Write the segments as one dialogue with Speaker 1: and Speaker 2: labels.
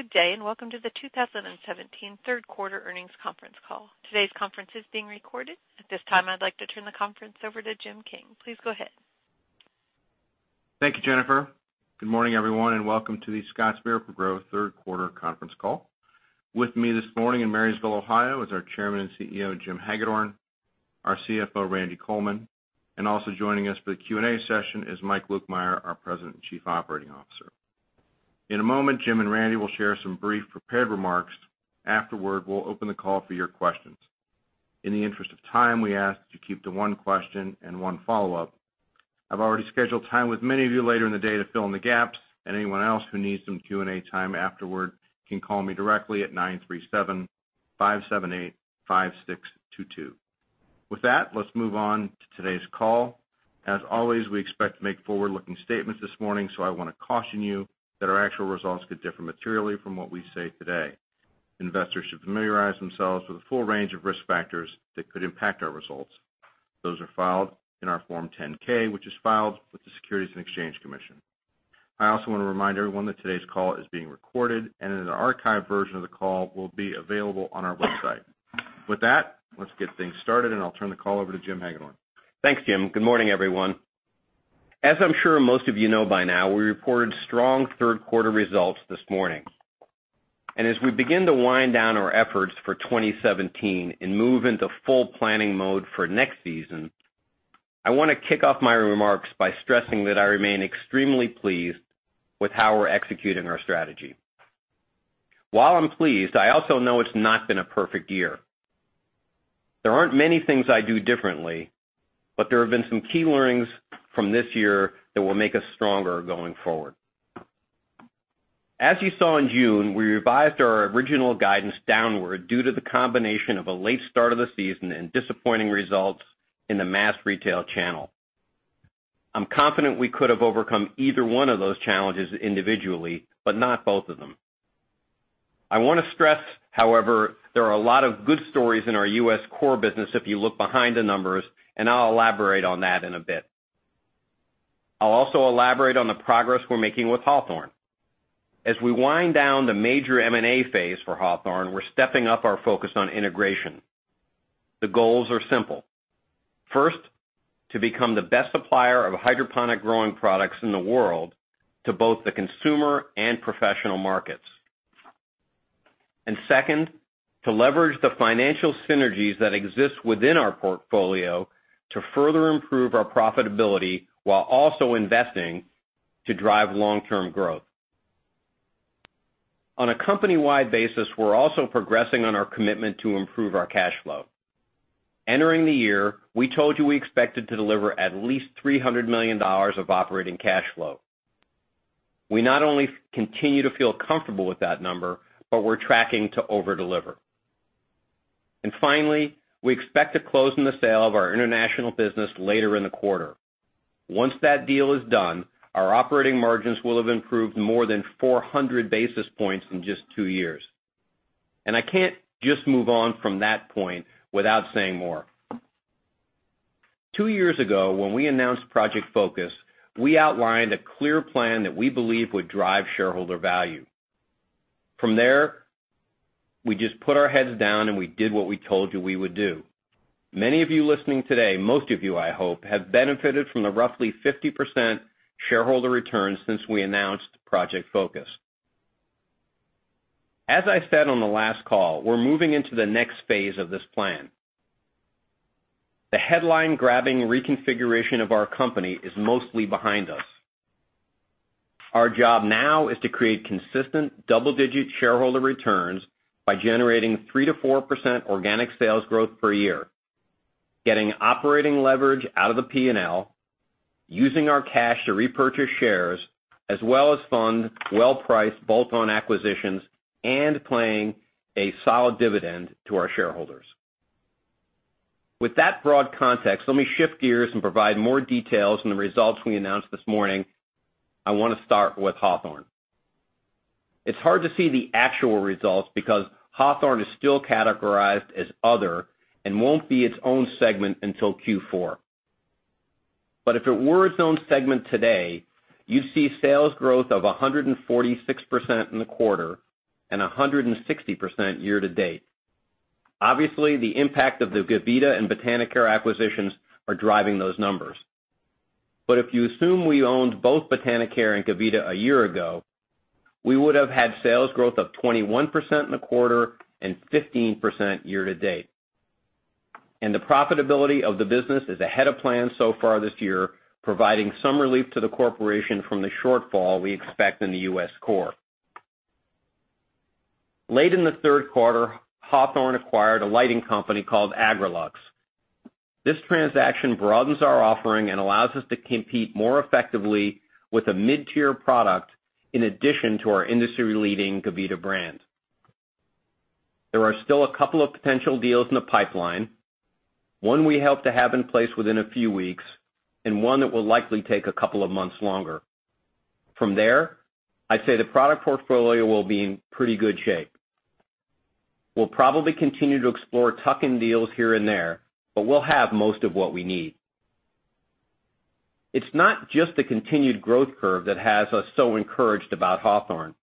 Speaker 1: Good day, welcome to the 2017 third quarter earnings conference call. Today's conference is being recorded. At this time, I'd like to turn the conference over to Jim King. Please go ahead.
Speaker 2: Thank you, Jennifer. Good morning, everyone, welcome to the Scotts Miracle-Gro third quarter conference call. With me this morning in Marysville, Ohio is our Chairman and CEO, Jim Hagedorn, our CFO, Randy Coleman, also joining us for the Q&A session is Mike Lukemire, our President and Chief Operating Officer. In a moment, Jim and Randy will share some brief prepared remarks. Afterward, we'll open the call for your questions. In the interest of time, we ask that you keep to one question and one follow-up. I've already scheduled time with many of you later in the day to fill in the gaps, anyone else who needs some Q&A time afterward can call me directly at 937-578-5622. With that, let's move on to today's call. As always, we expect to make forward-looking statements this morning, I want to caution you that our actual results could differ materially from what we say today. Investors should familiarize themselves with the full range of risk factors that could impact our results. Those are filed in our Form 10-K, which is filed with the Securities and Exchange Commission. I also want to remind everyone that today's call is being recorded that an archived version of the call will be available on our website. With that, let's get things started, I'll turn the call over to Jim Hagedorn.
Speaker 3: Thanks, Jim. Good morning, everyone. As I'm sure most of you know by now, we reported strong third quarter results this morning. As we begin to wind down our efforts for 2017 and move into full planning mode for next season, I want to kick off my remarks by stressing that I remain extremely pleased with how we're executing our strategy. While I'm pleased, I also know it's not been a perfect year. There aren't many things I'd do differently, there have been some key learnings from this year that will make us stronger going forward. As you saw in June, we revised our original guidance downward due to the combination of a late start of the season and disappointing results in the mass retail channel. I'm confident we could have overcome either one of those challenges individually, not both of them. I want to stress, however, there are a lot of good stories in our U.S. core business if you look behind the numbers. I'll elaborate on that in a bit. I'll also elaborate on the progress we're making with Hawthorne. As we wind down the major M&A phase for Hawthorne, we're stepping up our focus on integration. The goals are simple. First, to become the best supplier of hydroponic growing products in the world to both the consumer and professional markets. Second, to leverage the financial synergies that exist within our portfolio to further improve our profitability while also investing to drive long-term growth. On a company-wide basis, we're also progressing on our commitment to improve our cash flow. Entering the year, we told you we expected to deliver at least $300 million of operating cash flow. We not only continue to feel comfortable with that number, but we're tracking to over-deliver. Finally, we expect to close on the sale of our international business later in the quarter. Once that deal is done, our operating margins will have improved more than 400 basis points in just two years. I can't just move on from that point without saying more. Two years ago, when we announced Project Focus, we outlined a clear plan that we believe would drive shareholder value. From there, we just put our heads down, and we did what we told you we would do. Many of you listening today, most of you I hope, have benefited from the roughly 50% shareholder returns since we announced Project Focus. As I said on the last call, we're moving into the next phase of this plan. The headline-grabbing reconfiguration of our company is mostly behind us. Our job now is to create consistent double-digit shareholder returns by generating 3%-4% organic sales growth per year, getting operating leverage out of the P&L, using our cash to repurchase shares, as well as fund well-priced bolt-on acquisitions, paying a solid dividend to our shareholders. With that broad context, let me shift gears and provide more details on the results we announced this morning. I want to start with Hawthorne. It's hard to see the actual results because Hawthorne is still categorized as other and won't be its own segment until Q4. If it were its own segment today, you'd see sales growth of 146% in the quarter and 160% year to date. Obviously, the impact of the Gavita and Botanicare acquisitions are driving those numbers. If you assume we owned both Botanicare and Gavita a year ago, we would have had sales growth of 21% in the quarter and 15% year to date. The profitability of the business is ahead of plan so far this year, providing some relief to the corporation from the shortfall we expect in the U.S. core. Late in the third quarter, Hawthorne acquired a lighting company called AgriLux. This transaction broadens our offering and allows us to compete more effectively with a mid-tier product in addition to our industry-leading Gavita brand. There are still a couple of potential deals in the pipeline. One we hope to have in place within a few weeks, and one that will likely take a couple of months longer. From there, I'd say the product portfolio will be in pretty good shape. We'll probably continue to explore tuck-in deals here and there, but we'll have most of what we need. It's not just the continued growth curve that has us so encouraged about Hawthorne.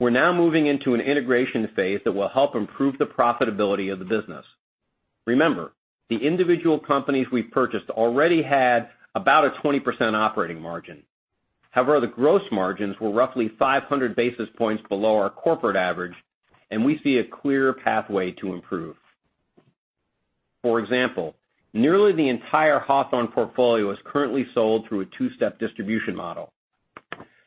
Speaker 3: We're now moving into an integration phase that will help improve the profitability of the business. Remember, the individual companies we purchased already had about a 20% operating margin. However, the gross margins were roughly 500 basis points below our corporate average, and we see a clear pathway to improve. For example, nearly the entire Hawthorne portfolio is currently sold through a two-step distribution model.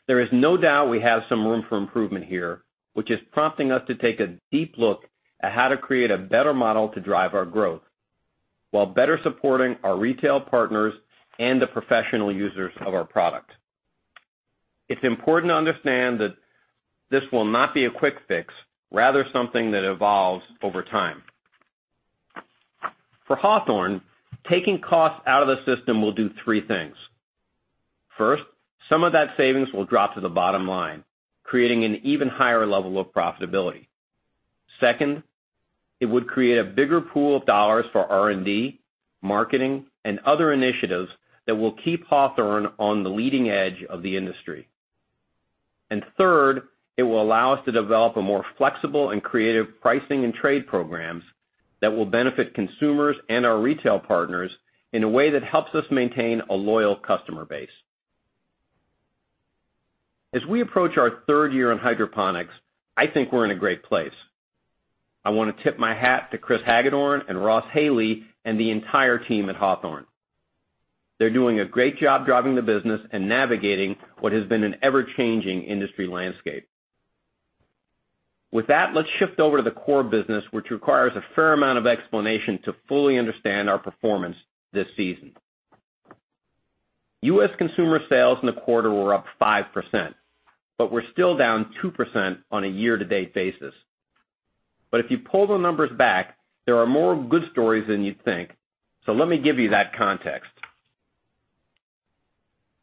Speaker 3: There is no doubt we have some room for improvement here, which is prompting us to take a deep look at how to create a better model to drive our growth while better supporting our retail partners and the professional users of our product. It's important to understand that this will not be a quick fix, rather something that evolves over time. For Hawthorne, taking costs out of the system will do three things. First, some of that savings will drop to the bottom line, creating an even higher level of profitability. Second, it would create a bigger pool of dollars for R&D, marketing, and other initiatives that will keep Hawthorne on the leading edge of the industry. Third, it will allow us to develop a more flexible and creative pricing and trade programs that will benefit consumers and our retail partners in a way that helps us maintain a loyal customer base. As we approach our third year in hydroponics, I think we're in a great place. I want to tip my hat to Chris Hagedorn and Ross Haley and the entire team at Hawthorne. They're doing a great job driving the business and navigating what has been an ever-changing industry landscape. With that, let's shift over to the core business, which requires a fair amount of explanation to fully understand our performance this season. U.S. consumer sales in the quarter were up 5%, but we're still down 2% on a year-to-date basis. If you pull the numbers back, there are more good stories than you'd think. Let me give you that context.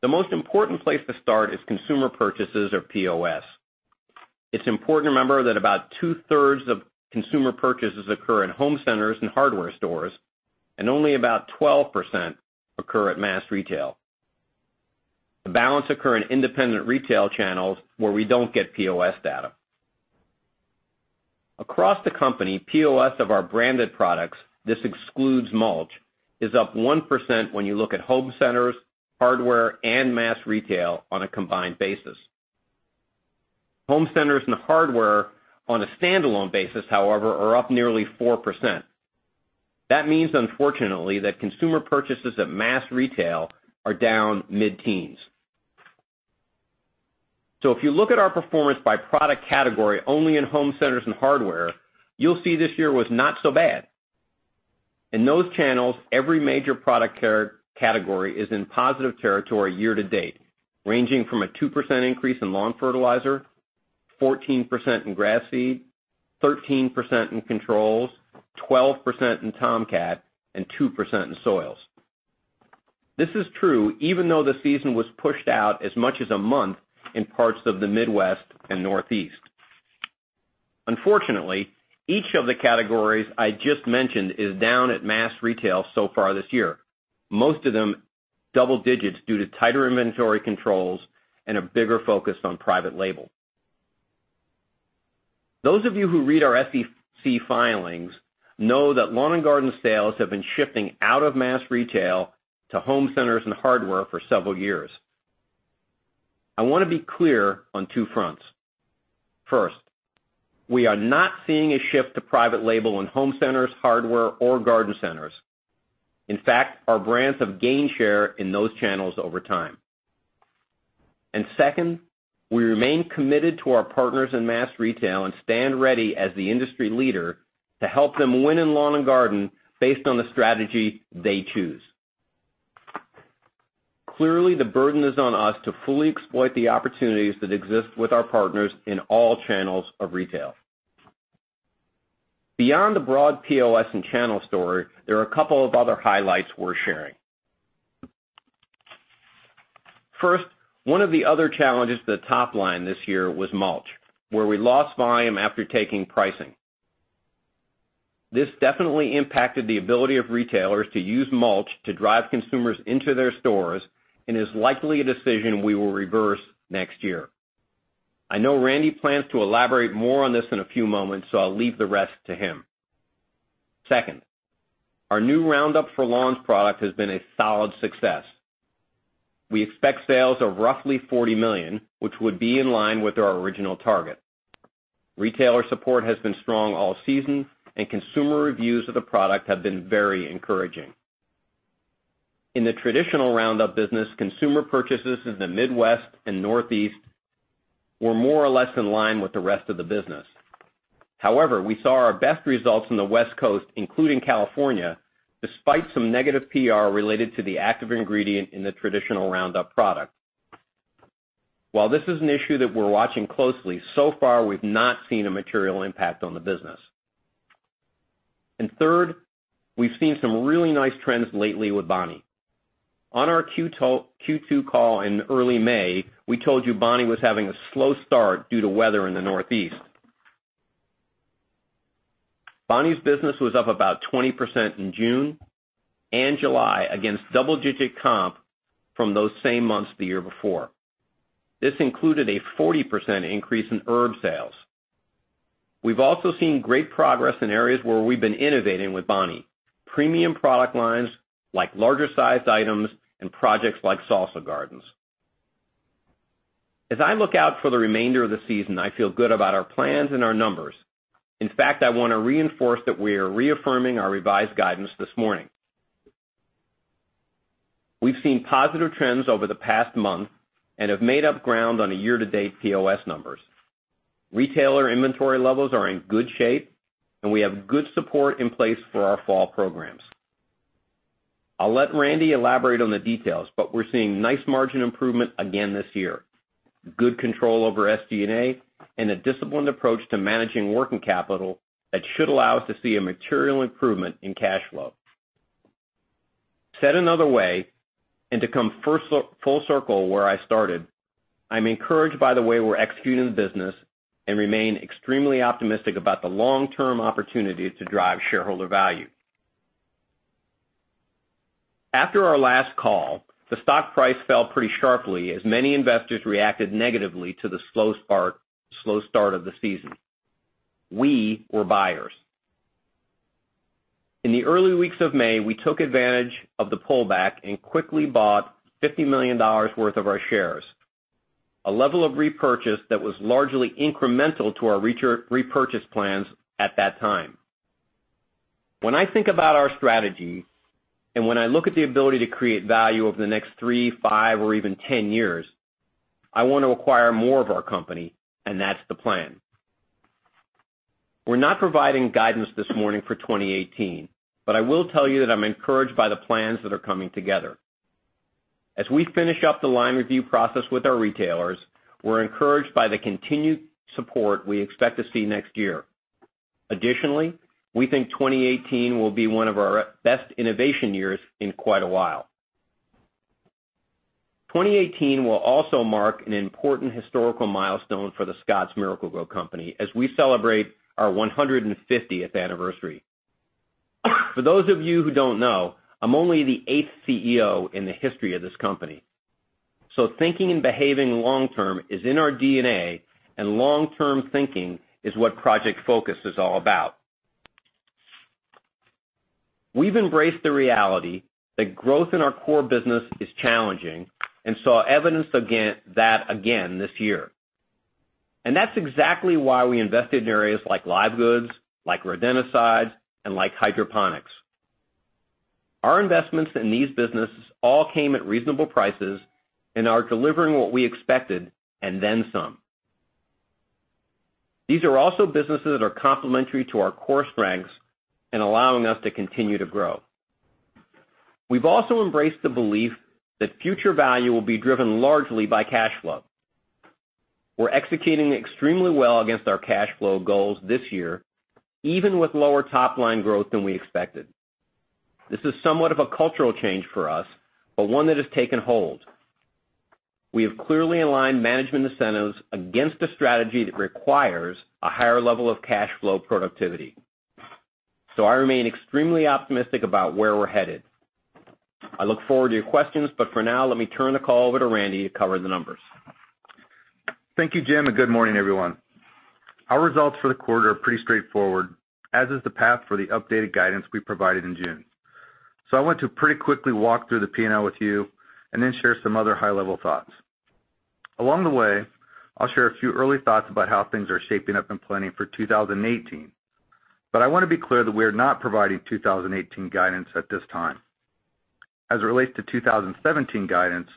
Speaker 3: The most important place to start is consumer purchases of POS. It's important to remember that about two-thirds of consumer purchases occur in home centers and hardware stores, and only about 12% occur at mass retail. The balance occur in independent retail channels where we don't get POS data. Across the company, POS of our branded products, this excludes mulch, is up 1% when you look at home centers, hardware, and mass retail on a combined basis. Home centers and hardware on a standalone basis, however, are up nearly 4%. That means, unfortunately, that consumer purchases at mass retail are down mid-teens. If you look at our performance by product category only in home centers and hardware, you'll see this year was not so bad. In those channels, every major product category is in positive territory year-to-date, ranging from a 2% increase in lawn fertilizer, 14% in grass seed, 13% in controls, 12% in Tomcat, and 2% in soils. This is true even though the season was pushed out as much as a month in parts of the Midwest and Northeast. Unfortunately, each of the categories I just mentioned is down at mass retail so far this year. Most of them double digits due to tighter inventory controls and a bigger focus on private label. Those of you who read our SEC filings know that lawn and garden sales have been shifting out of mass retail to home centers and hardware for several years. I want to be clear on two fronts. First, we are not seeing a shift to private label in home centers, hardware, or garden centers. In fact, our brands have gained share in those channels over time. Second, we remain committed to our partners in mass retail and stand ready as the industry leader to help them win in lawn and garden based on the strategy they choose. Clearly, the burden is on us to fully exploit the opportunities that exist with our partners in all channels of retail. Beyond the broad POS and channel story, there are a couple of other highlights worth sharing. First, one of the other challenges to the top line this year was mulch, where we lost volume after taking pricing. This definitely impacted the ability of retailers to use mulch to drive consumers into their stores and is likely a decision we will reverse next year. I know Randy plans to elaborate more on this in a few moments, so I'll leave the rest to him. Second, our new Roundup For Lawns product has been a solid success. We expect sales of roughly $40 million, which would be in line with our original target. Retailer support has been strong all season, and consumer reviews of the product have been very encouraging. In the traditional Roundup business, consumer purchases in the Midwest and Northeast were more or less in line with the rest of the business. However, we saw our best results in the West Coast, including California, despite some negative PR related to the active ingredient in the traditional Roundup product. While this is an issue that we're watching closely, so far we've not seen a material impact on the business. Third, we've seen some really nice trends lately with Bonnie. On our Q2 call in early May, we told you Bonnie was having a slow start due to weather in the Northeast. Bonnie's business was up about 20% in June and July against double-digit comp from those same months the year before. This included a 40% increase in herb sales. We've also seen great progress in areas where we've been innovating with Bonnie. Premium product lines, like larger sized items and projects like salsa gardens. As I look out for the remainder of the season, I feel good about our plans and our numbers. In fact, I want to reinforce that we are reaffirming our revised guidance this morning. We've seen positive trends over the past month and have made up ground on a year-to-date POS numbers. Retailer inventory levels are in good shape, and we have good support in place for our fall programs. I'll let Randy elaborate on the details, but we're seeing nice margin improvement again this year. Good control over SG&A and a disciplined approach to managing working capital that should allow us to see a material improvement in cash flow. Said another way, to come full circle where I started, I'm encouraged by the way we're executing the business and remain extremely optimistic about the long-term opportunity to drive shareholder value. After our last call, the stock price fell pretty sharply as many investors reacted negatively to the slow start of the season. We were buyers. In the early weeks of May, we took advantage of the pullback and quickly bought $50 million worth of our shares, a level of repurchase that was largely incremental to our repurchase plans at that time. When I think about our strategy, when I look at the ability to create value over the next three, five, or even 10 years, I want to acquire more of our company, and that's the plan. We're not providing guidance this morning for 2018, but I will tell you that I'm encouraged by the plans that are coming together. As we finish up the line review process with our retailers, we're encouraged by the continued support we expect to see next year. Additionally, we think 2018 will be one of our best innovation years in quite a while. 2018 will also mark an important historical milestone for The Scotts Miracle-Gro Company as we celebrate our 150th anniversary. For those of you who don't know, I'm only the eighth CEO in the history of this company. Thinking and behaving long term is in our DNA, and long-term thinking is what Project Focus is all about. We've embraced the reality that growth in our core business is challenging and saw evidence of that again this year. That's exactly why we invested in areas like live goods, like rodenticides, and like hydroponics. Our investments in these businesses all came at reasonable prices and are delivering what we expected and then some. These are also businesses that are complementary to our core strengths in allowing us to continue to grow. We've also embraced the belief that future value will be driven largely by cash flow. We're executing extremely well against our cash flow goals this year, even with lower top-line growth than we expected. This is somewhat of a cultural change for us, but one that has taken hold. We have clearly aligned management incentives against a strategy that requires a higher level of cash flow productivity. I remain extremely optimistic about where we're headed. I look forward to your questions, for now, let me turn the call over to Randy to cover the numbers.
Speaker 4: Thank you, Jim, good morning, everyone. Our results for the quarter are pretty straightforward, as is the path for the updated guidance we provided in June. I want to pretty quickly walk through the P&L with you and then share some other high-level thoughts. Along the way, I'll share a few early thoughts about how things are shaping up and planning for 2018. I want to be clear that we are not providing 2018 guidance at this time. As it relates to 2017 guidance,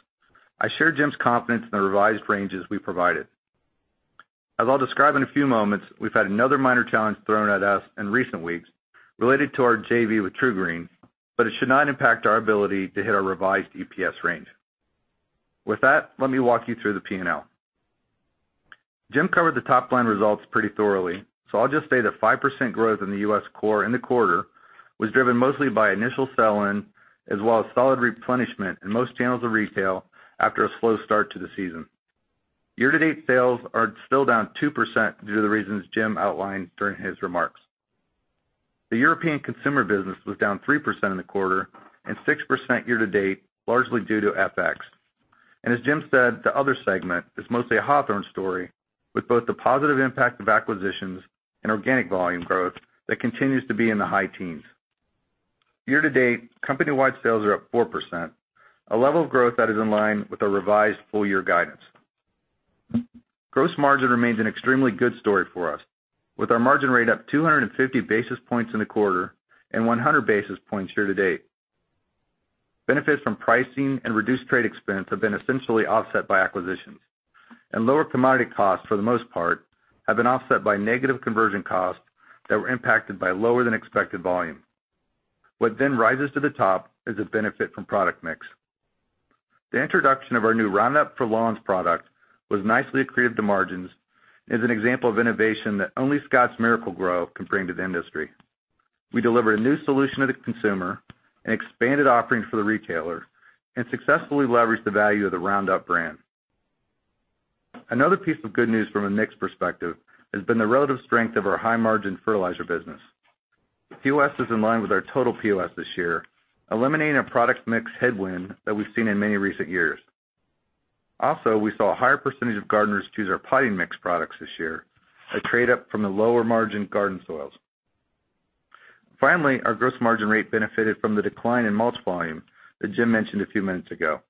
Speaker 4: I share Jim's confidence in the revised ranges we provided. As I'll describe in a few moments, we've had another minor challenge thrown at us in recent weeks related to our JV with TruGreen, it should not impact our ability to hit our revised EPS range. With that, let me walk you through the P&L. Jim covered the top-line results pretty thoroughly, I'll just say that 5% growth in the U.S. core in the quarter was driven mostly by initial sell-in, as well as solid replenishment in most channels of retail after a slow start to the season. Year to date, sales are still down 2% due to the reasons Jim outlined during his remarks. The European consumer business was down 3% in the quarter and 6% year to date, largely due to FX. As Jim said, the other segment is mostly a Hawthorne story with both the positive impact of acquisitions and organic volume growth that continues to be in the high teens. Year to date, company-wide sales are up 4%, a level of growth that is in line with our revised full year guidance. Gross margin remains an extremely good story for us, with our margin rate up 250 basis points in the quarter and 100 basis points year to date. Benefits from pricing and reduced trade expense have been essentially offset by acquisitions, lower commodity costs, for the most part, have been offset by negative conversion costs that were impacted by lower than expected volume. What rises to the top is a benefit from product mix. The introduction of our new Roundup For Lawns product was nicely accretive to margins and is an example of innovation that only Scotts Miracle-Gro can bring to the industry. We delivered a new solution to the consumer, an expanded offering for the retailer, and successfully leveraged the value of the Roundup brand. Another piece of good news from a mix perspective has been the relative strength of our high-margin fertilizer business. POS is in line with our total POS this year, eliminating a product mix headwind that we've seen in many recent years. We saw a higher percentage of gardeners choose our potting mix products this year, a trade up from the lower margin garden soils. Our gross margin rate benefited from the decline in mulch volume that Jim mentioned a few minutes ago.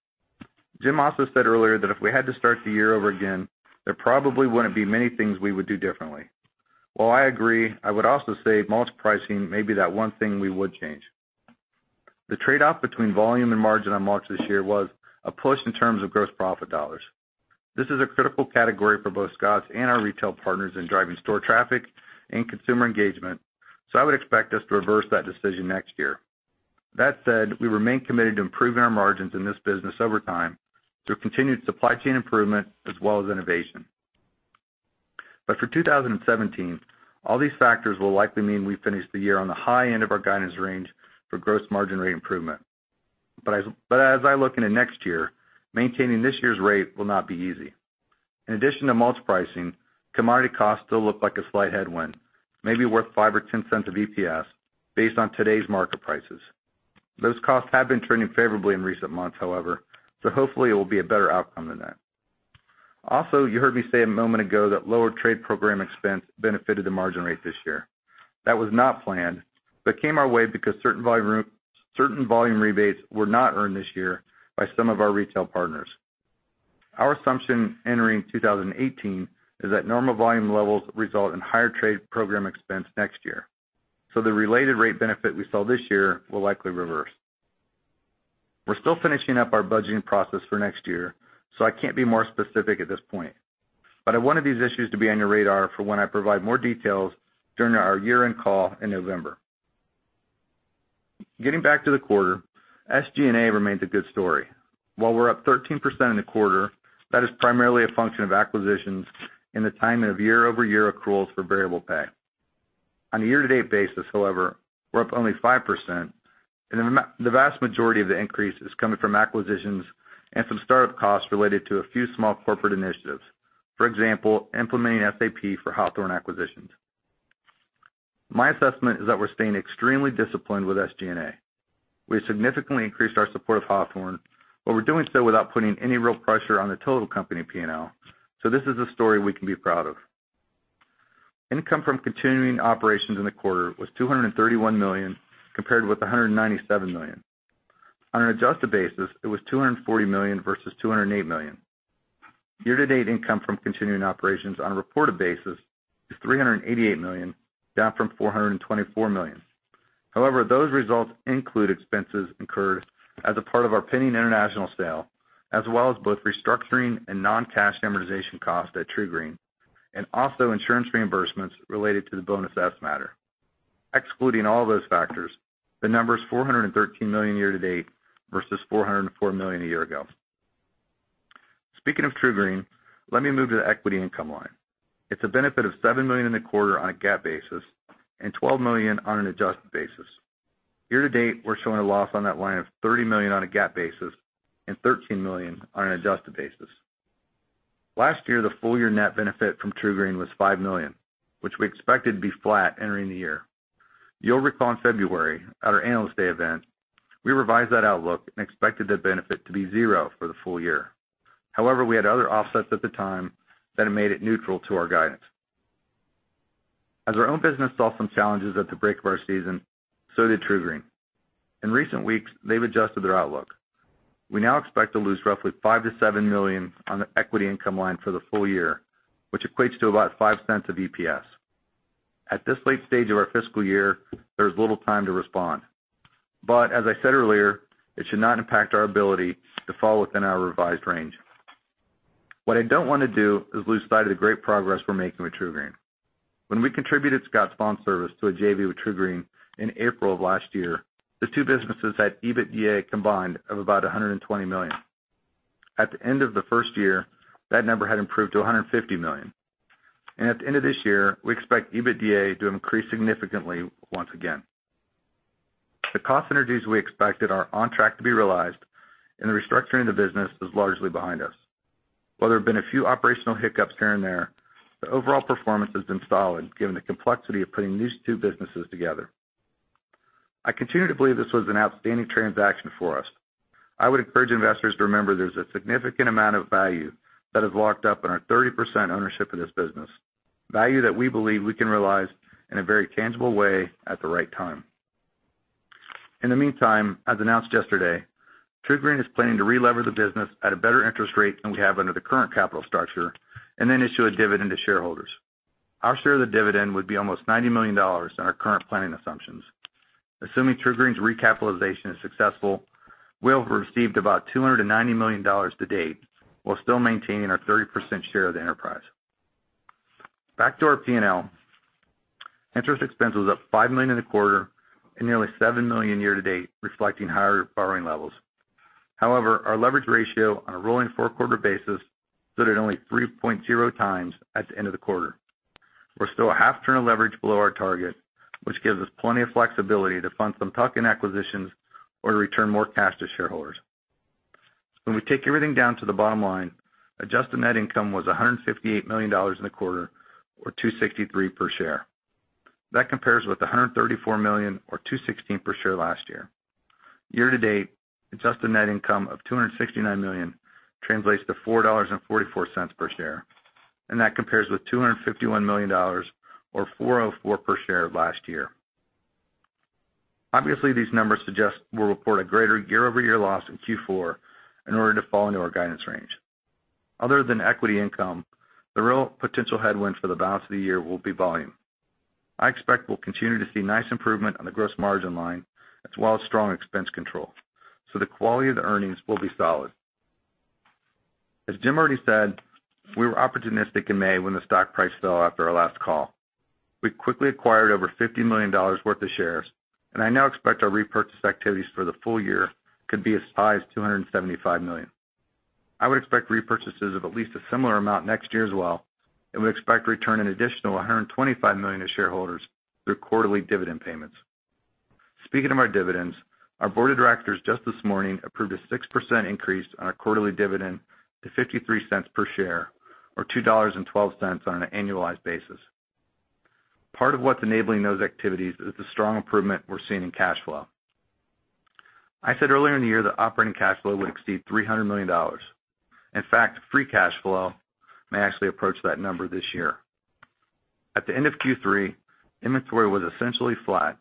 Speaker 4: Jim also said earlier that if we had to start the year over again, there probably wouldn't be many things we would do differently. I agree, I would also say mulch pricing may be that one thing we would change. The trade-off between volume and margin on mulch this year was a push in terms of gross profit dollars. This is a critical category for both Scotts and our retail partners in driving store traffic and consumer engagement, I would expect us to reverse that decision next year. We remain committed to improving our margins in this business over time through continued supply chain improvement as well as innovation. For 2017, all these factors will likely mean we finish the year on the high end of our guidance range for gross margin rate improvement. As I look into next year, maintaining this year's rate will not be easy. In addition to mulch pricing, commodity costs still look like a slight headwind, maybe worth $0.05 or $0.10 an EPS based on today's market prices. Those costs have been turning favorably in recent months, however, hopefully it will be a better outcome than that. You heard me say a moment ago that lower trade program expense benefited the margin rate this year. That was not planned, but came our way because certain volume rebates were not earned this year by some of our retail partners. Our assumption entering 2018 is that normal volume levels result in higher trade program expense next year. The related rate benefit we saw this year will likely reverse. We're still finishing up our budgeting process for next year, so I can't be more specific at this point, but I wanted these issues to be on your radar for when I provide more details during our year-end call in November. Getting back to the quarter, SG&A remains a good story. While we're up 13% in the quarter, that is primarily a function of acquisitions and the timing of year-over-year accruals for variable pay. On a year-to-date basis, however, we're up only 5%, and the vast majority of the increase is coming from acquisitions and some start-up costs related to a few small corporate initiatives. For example, implementing SAP for Hawthorne acquisitions. My assessment is that we're staying extremely disciplined with SG&A. We have significantly increased our support of Hawthorne, but we're doing so without putting any real pressure on the total company P&L, so this is a story we can be proud of. Income from continuing operations in the quarter was $231 million, compared with $197 million. On an adjusted basis, it was $240 million versus $208 million. Year-to-date income from continuing operations on a reported basis is $388 million, down from $424 million. Those results include expenses incurred as a part of our [Pinny] International sale, as well as both restructuring and non-cash amortization costs at TruGreen, and also insurance reimbursements related to the Bonus S matter. Excluding all those factors, the number is $413 million year to date versus $404 million a year ago. Speaking of TruGreen, let me move to the equity income line. It's a benefit of $7 million in the quarter on a GAAP basis and $12 million on an adjusted basis. Year to date, we're showing a loss on that line of $30 million on a GAAP basis and $13 million on an adjusted basis. Last year, the full year net benefit from TruGreen was $5 million, which we expected to be flat entering the year. You'll recall in February, at our Analyst Day event, we revised that outlook and expected the benefit to be zero for the full year. We had other offsets at the time that it made it neutral to our guidance. As our own business saw some challenges at the break of our season, so did TruGreen. In recent weeks, they've adjusted their outlook. We now expect to lose roughly $5 million-$7 million on the equity income line for the full year, which equates to about $0.05 of EPS. At this late stage of our fiscal year, there's little time to respond. As I said earlier, it should not impact our ability to fall within our revised range. What I don't want to do is lose sight of the great progress we're making with TruGreen. When we contributed Scotts LawnService to a JV with TruGreen in April of last year, the two businesses had EBITDA combined of about $120 million. At the end of the first year, that number had improved to $150 million. At the end of this year, we expect EBITDA to increase significantly once again. The cost synergies we expected are on track to be realized, and the restructuring of the business is largely behind us. While there have been a few operational hiccups here and there, the overall performance has been solid given the complexity of putting these two businesses together. I continue to believe this was an outstanding transaction for us. I would encourage investors to remember there's a significant amount of value that is locked up in our 30% ownership of this business, value that we believe we can realize in a very tangible way at the right time. In the meantime, as announced yesterday, TruGreen is planning to relever the business at a better interest rate than we have under the current capital structure and then issue a dividend to shareholders. Our share of the dividend would be almost $90 million in our current planning assumptions. Assuming TruGreen's recapitalization is successful, we'll have received about $290 million to date while still maintaining our 30% share of the enterprise. Back to our P&L. Interest expense was up $5 million in the quarter and nearly $7 million year-to-date, reflecting higher borrowing levels. However, our leverage ratio on a rolling four-quarter basis stood at only 3.0 times at the end of the quarter. We're still a half turn of leverage below our target, which gives us plenty of flexibility to fund some tuck-in acquisitions or to return more cash to shareholders. When we take everything down to the bottom line, adjusted net income was $158 million in the quarter, or $2.63 per share. That compares with $134 million or $2.16 per share last year. Year-to-date, adjusted net income of $269 million translates to $4.44 per share, and that compares with $251 million or $4.04 per share last year. Obviously, these numbers suggest we'll report a greater year-over-year loss in Q4 in order to fall into our guidance range. Other than equity income, the real potential headwind for the balance of the year will be volume. I expect we'll continue to see nice improvement on the gross margin line as well as strong expense control, the quality of the earnings will be solid. As Jim already said, we were opportunistic in May when the stock price fell after our last call. We quickly acquired over $50 million worth of shares, and I now expect our repurchase activities for the full year could be as high as $275 million. I would expect repurchases of at least a similar amount next year as well, and we expect to return an additional $125 million to shareholders through quarterly dividend payments. Speaking of our dividends, our board of directors just this morning approved a 6% increase on our quarterly dividend to $0.53 per share or $2.12 on an annualized basis. Part of what's enabling those activities is the strong improvement we're seeing in cash flow. I said earlier in the year that operating cash flow would exceed $300 million. In fact, free cash flow may actually approach that number this year. At the end of Q3, inventory was essentially flat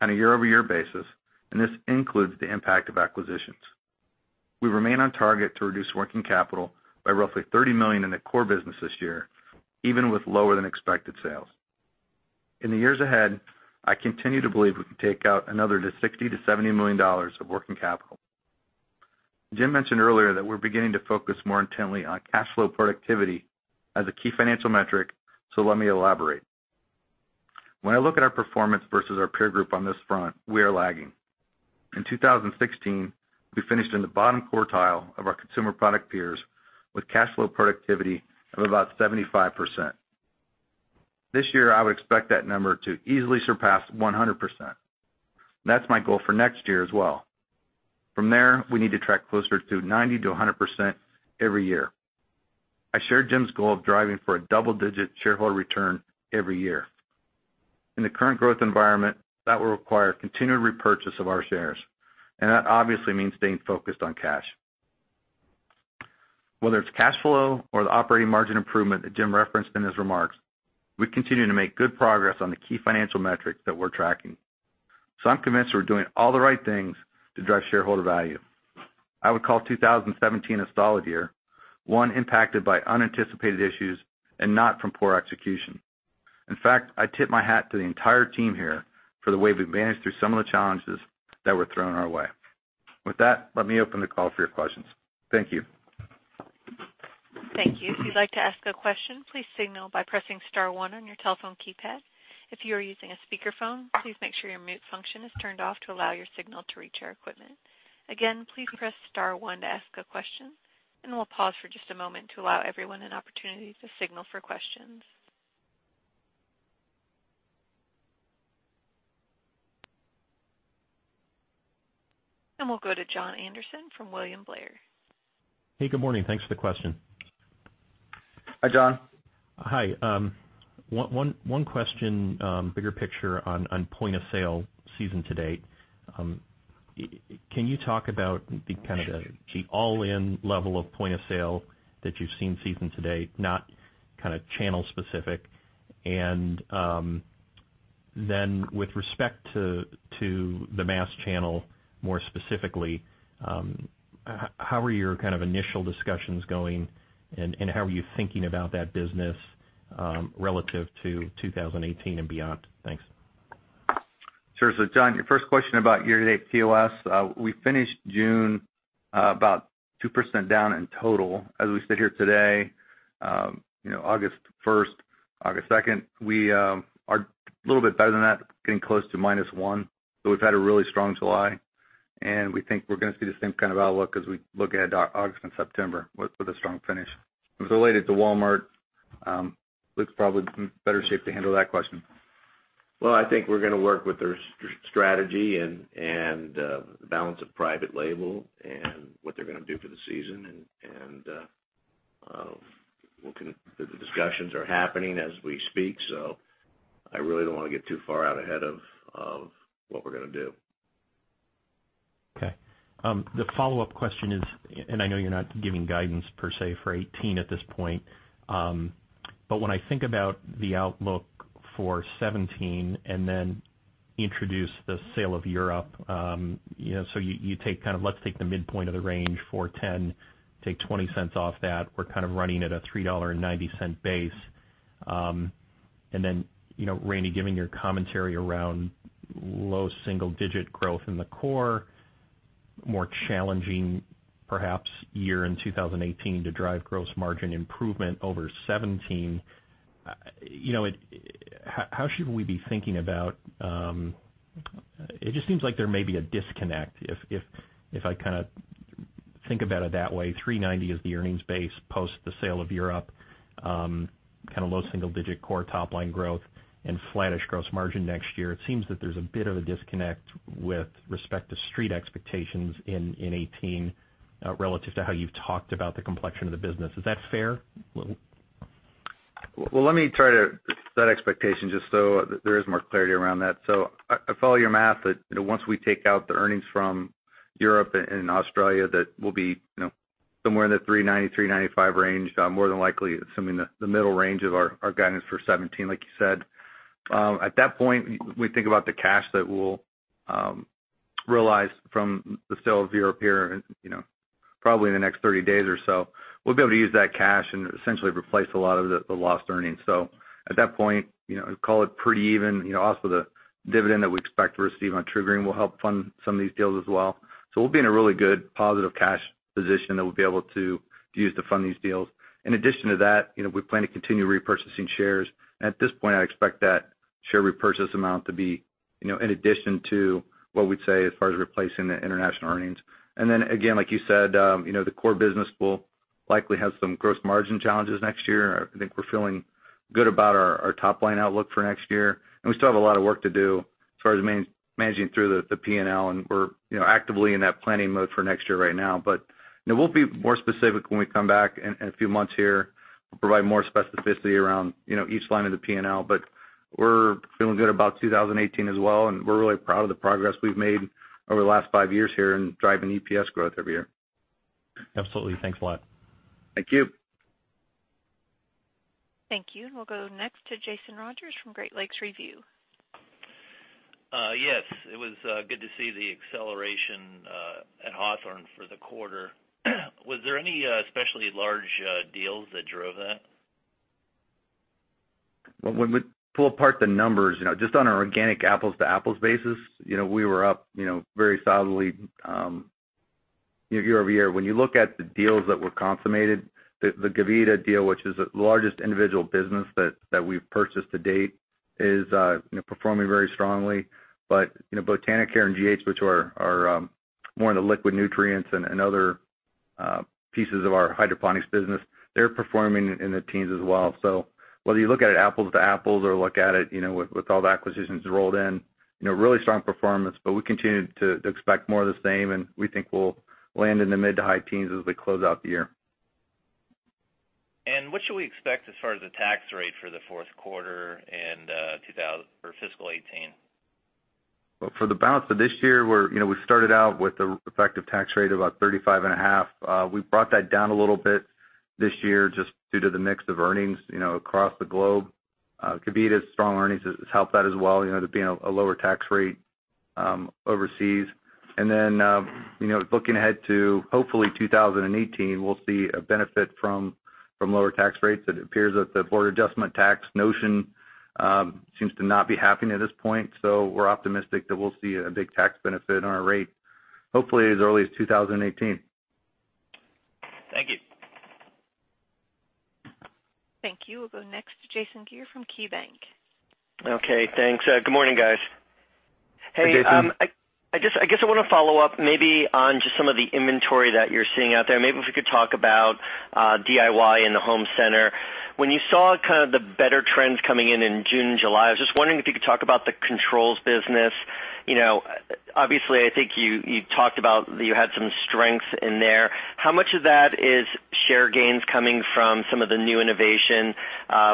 Speaker 4: on a year-over-year basis, and this includes the impact of acquisitions. We remain on target to reduce working capital by roughly $30 million in the core business this year, even with lower than expected sales. In the years ahead, I continue to believe we can take out another $60 million-$70 million of working capital. Jim mentioned earlier that we're beginning to focus more intently on cash flow productivity as a key financial metric. Let me elaborate. When I look at our performance versus our peer group on this front, we are lagging. In 2016, we finished in the bottom quartile of our consumer product peers with cash flow productivity of about 75%. This year, I would expect that number to easily surpass 100%. That's my goal for next year as well. From there, we need to track closer to 90%-100% every year. I share Jim's goal of driving for a double-digit shareholder return every year. In the current growth environment, that will require continued repurchase of our shares, that obviously means staying focused on cash. Whether it's cash flow or the operating margin improvement that Jim referenced in his remarks, we continue to make good progress on the key financial metrics that we're tracking. I'm convinced we're doing all the right things to drive shareholder value. I would call 2017 a solid year, one impacted by unanticipated issues and not from poor execution. In fact, I tip my hat to the entire team here for the way we've managed through some of the challenges that were thrown our way. With that, let me open the call for your questions. Thank you.
Speaker 1: Thank you. If you'd like to ask a question, please signal by pressing *1 on your telephone keypad. If you are using a speakerphone, please make sure your mute function is turned off to allow your signal to reach our equipment. Again, please press *1 to ask a question, we'll pause for just a moment to allow everyone an opportunity to signal for questions. We'll go to Jon Andersen from William Blair.
Speaker 5: Hey, good morning. Thanks for the question.
Speaker 4: Hi, Jon.
Speaker 5: Hi. One question, bigger picture on point of sale season to date. Can you talk about the kind of the all-in level of point of sale that you've seen season to date, not kind of channel specific? Then with respect to the mass channel, more specifically, how are your kind of initial discussions going, and how are you thinking about that business relative to 2018 and beyond? Thanks.
Speaker 4: Sure. Jon, your first question about year-to-date POS. We finished June about 2% down in total. As we sit here today, August 1st, August 2nd, we are a little bit better than that, getting close to minus one, but we've had a really strong July. We think we're going to see the same kind of outlook as we look ahead to August and September with a strong finish. With related to Walmart, Luke's probably in better shape to handle that question.
Speaker 6: I think we're going to work with their strategy and the balance of private label and what they're going to do for the season. The discussions are happening as we speak, I really don't want to get too far out ahead of what we're going to do.
Speaker 5: Okay. The follow-up question is, I know you're not giving guidance per se for 2018 at this point, when I think about the outlook for 2017 and then introduce the sale of Europe, you take kind of let's take the midpoint of the range for 10, take $0.20 off that. We're kind of running at a $3.90 base. Then, Randy, giving your commentary around low single-digit growth in the core, more challenging perhaps year in 2018 to drive gross margin improvement over 2017. How should we be thinking about-- it just seems like there may be a disconnect if I kind of- Think about it that way, $3.90 is the earnings base, post the sale of Europe, low single-digit core top-line growth and flattish gross margin next year. It seems that there's a bit of a disconnect with respect to Street expectations in 2018, relative to how you've talked about the complexion of the business. Is that fair, Luke?
Speaker 4: Well, let me try to set expectations just so there is more clarity around that. I follow your math that once we take out the earnings from Europe and Australia, that we'll be somewhere in the $3.90-$3.95 range, more than likely assuming the middle range of our guidance for 2017, like you said. At that point, we think about the cash that we'll realize from the sale of Europe here probably in the next 30 days or so. We'll be able to use that cash and essentially replace a lot of the lost earnings. Also, the dividend that we expect to receive on TruGreen will help fund some of these deals as well. We'll be in a really good positive cash position that we'll be able to use to fund these deals. In addition to that, we plan to continue repurchasing shares. At this point, I expect that share repurchase amount to be in addition to what we'd say as far as replacing the international earnings. Then again, like you said, the core business will likely have some gross margin challenges next year. I think we're feeling good about our top-line outlook for next year, and we still have a lot of work to do as far as managing through the P&L, and we're actively in that planning mode for next year right now. We'll be more specific when we come back in a few months here. We'll provide more specificity around each line of the P&L. We're feeling good about 2018 as well, and we're really proud of the progress we've made over the last five years here in driving EPS growth every year.
Speaker 5: Absolutely. Thanks a lot.
Speaker 4: Thank you.
Speaker 1: Thank you. We'll go next to Jason Rogers from Great Lakes Review.
Speaker 7: Yes, it was good to see the acceleration at Hawthorne for the quarter. Was there any especially large deals that drove that?
Speaker 4: We pull apart the numbers, just on our organic apples-to-apples basis, we were up very solidly year-over-year. You look at the deals that were consummated, the Gavita deal, which is the largest individual business that we've purchased to date, is performing very strongly. Botanicare and GH, which are more in the liquid nutrients and other pieces of our hydroponics business, they're performing in the teens as well. Whether you look at it apples-to-apples or look at it with all the acquisitions rolled in, really strong performance, we continue to expect more of the same, and we think we'll land in the mid to high teens as we close out the year.
Speaker 7: What should we expect as far as the tax rate for the fourth quarter and fiscal 2018?
Speaker 4: For the balance of this year, we started out with the effective tax rate of about 35.5%. We brought that down a little bit this year just due to the mix of earnings across the globe. Gavita's strong earnings has helped that as well, there being a lower tax rate overseas. Looking ahead to hopefully 2018, we'll see a benefit from lower tax rates. It appears that the border adjustment tax notion seems to not be happening at this point. We're optimistic that we'll see a big tax benefit on our rate, hopefully as early as 2018.
Speaker 7: Thank you.
Speaker 1: Thank you. We'll go next to Jason Gere from KeyBanc.
Speaker 8: Okay, thanks. Good morning, guys.
Speaker 4: Jason.
Speaker 8: Hey, I guess I want to follow up maybe on just some of the inventory that you're seeing out there. Maybe if you could talk about DIY in the home center. When you saw kind of the better trends coming in in June, July, I was just wondering if you could talk about the controls business. Obviously, I think you talked about that you had some strength in there. How much of that is share gains coming from some of the new innovation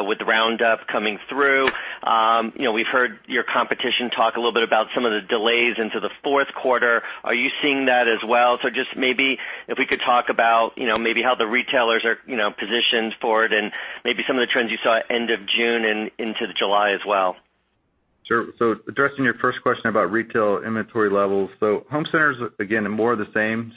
Speaker 8: with Roundup coming through? We've heard your competition talk a little bit about some of the delays into the fourth quarter. Are you seeing that as well? Just maybe if we could talk about maybe how the retailers are positioned for it and maybe some of the trends you saw end of June and into July as well.
Speaker 4: Sure. Addressing your first question about retail inventory levels. Home centers, again, are more of the same.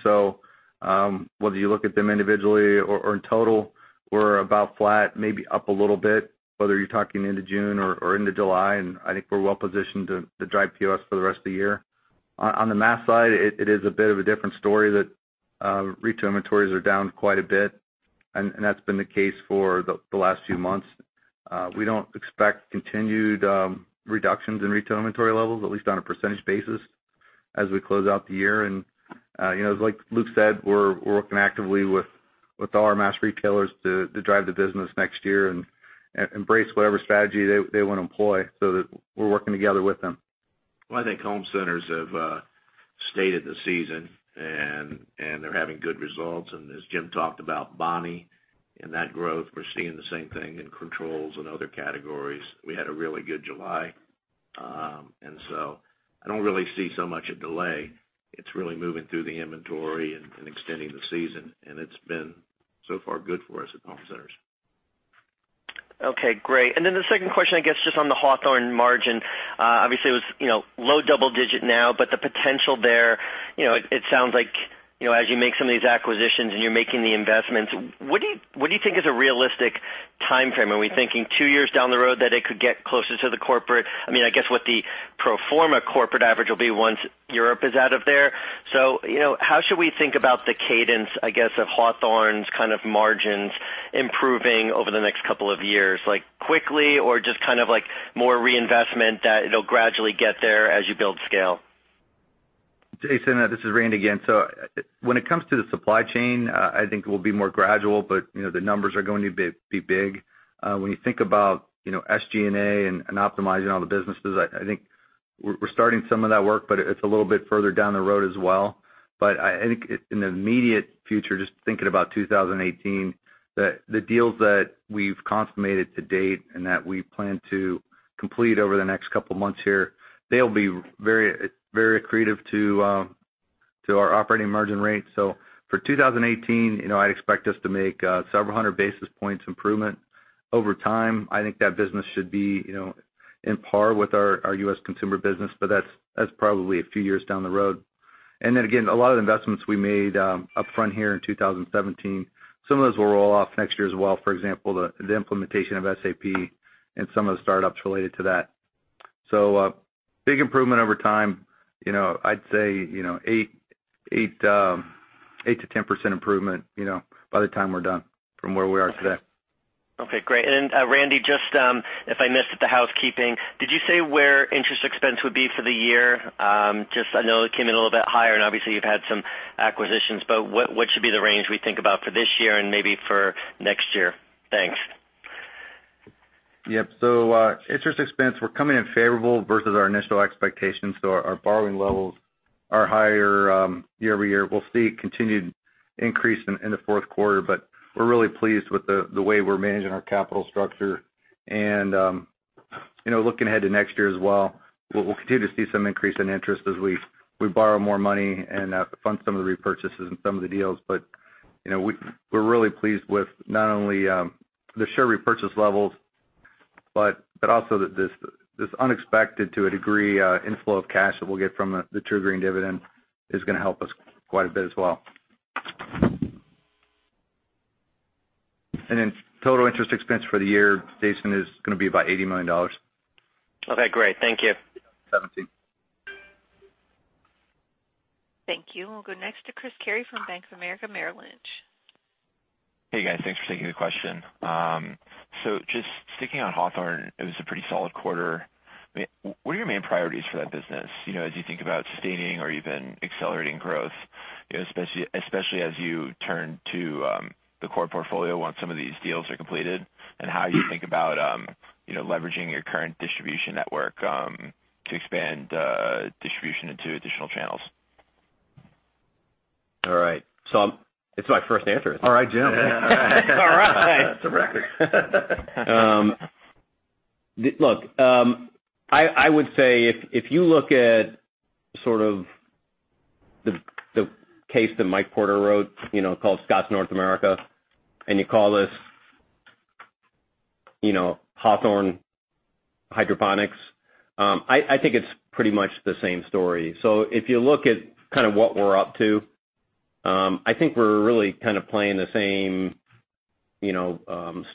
Speaker 4: Whether you look at them individually or in total, we're about flat, maybe up a little bit, whether you're talking into June or into July. I think we're well positioned to drive POS for the rest of the year. On the mass side, it is a bit of a different story that retail inventories are down quite a bit, and that's been the case for the last few months. We don't expect continued reductions in retail inventory levels, at least on a percentage basis, as we close out the year. Like Luke said, we're working actively with all our mass retailers to drive the business next year and embrace whatever strategy they want to employ so that we're working together with them.
Speaker 6: Well, I think home centers have stayed in the season, they're having good results. As Jim talked about Bonnie and that growth, we're seeing the same thing in controls and other categories. We had a really good July. I don't really see so much a delay. It's really moving through the inventory and extending the season, it's been so far good for us at home centers.
Speaker 8: Okay, great. Then the second question, I guess, just on the Hawthorne margin. Obviously it was low double-digit now, but the potential there, it sounds like as you make some of these acquisitions and you're making the investments, what do you think is a realistic timeframe? Are we thinking two years down the road that it could get closer to the corporate-- I guess what the pro forma corporate average will be once Europe is out of there? How should we think about the cadence, I guess, of Hawthorne's kind of margins improving over the next couple of years? Like quickly or just kind of like more reinvestment that it'll gradually get there as you build scale?
Speaker 4: Jason, this is Randy again. When it comes to the supply chain, I think it will be more gradual, the numbers are going to be big. When you think about SG&A and optimizing all the businesses, I think we're starting some of that work, it's a little bit further down the road as well. I think in the immediate future, just thinking about 2018, the deals that we've consummated to date and that we plan to complete over the next couple of months here, they'll be very accretive to our operating margin rates. For 2018, I'd expect us to make several hundred basis points improvement over time. I think that business should be in par with our U.S. consumer business, that's probably a few years down the road. Again, a lot of the investments we made up front in 2017, some of those will roll off next year as well. For example, the implementation of SAP and some of the startups related to that. Big improvement over time. I'd say, 8%-10% improvement, by the time we're done from where we are today.
Speaker 8: Okay, great. Randy, just if I missed the housekeeping, did you say where interest expense would be for the year? I know it came in a little bit higher and obviously you've had some acquisitions, what should be the range we think about for this year and maybe for next year? Thanks.
Speaker 4: Yep. Interest expense, we're coming in favorable versus our initial expectations. Our borrowing levels are higher year-over-year. We'll see continued increase in the fourth quarter, we're really pleased with the way we're managing our capital structure. Looking ahead to next year as well, we'll continue to see some increase in interest as we borrow more money and fund some of the repurchases and some of the deals. We're really pleased with not only the share repurchase levels, also that this unexpected, to a degree, inflow of cash that we'll get from the TruGreen dividend is going to help us quite a bit as well. Total interest expense for the year, Jason, is going to be about $80 million.
Speaker 8: Okay, great. Thank you.
Speaker 4: '17.
Speaker 1: Thank you. We'll go next to Chris Carey from Bank of America Merrill Lynch.
Speaker 9: Hey, guys. Thanks for taking the question. Just sticking on Hawthorne, it was a pretty solid quarter. What are your main priorities for that business as you think about sustaining or even accelerating growth, especially as you turn to the core portfolio once some of these deals are completed? How you think about leveraging your current distribution network to expand distribution into additional channels?
Speaker 3: All right. It's my first answer.
Speaker 9: All right, Jim.
Speaker 3: All right.
Speaker 4: It's a record.
Speaker 3: Look, I would say if you look at sort of the case that Mike Porter wrote called "Scotts North America," and you call this Hawthorne Hydroponics, I think it's pretty much the same story. If you look at kind of what we're up to, I think we're really kind of playing the same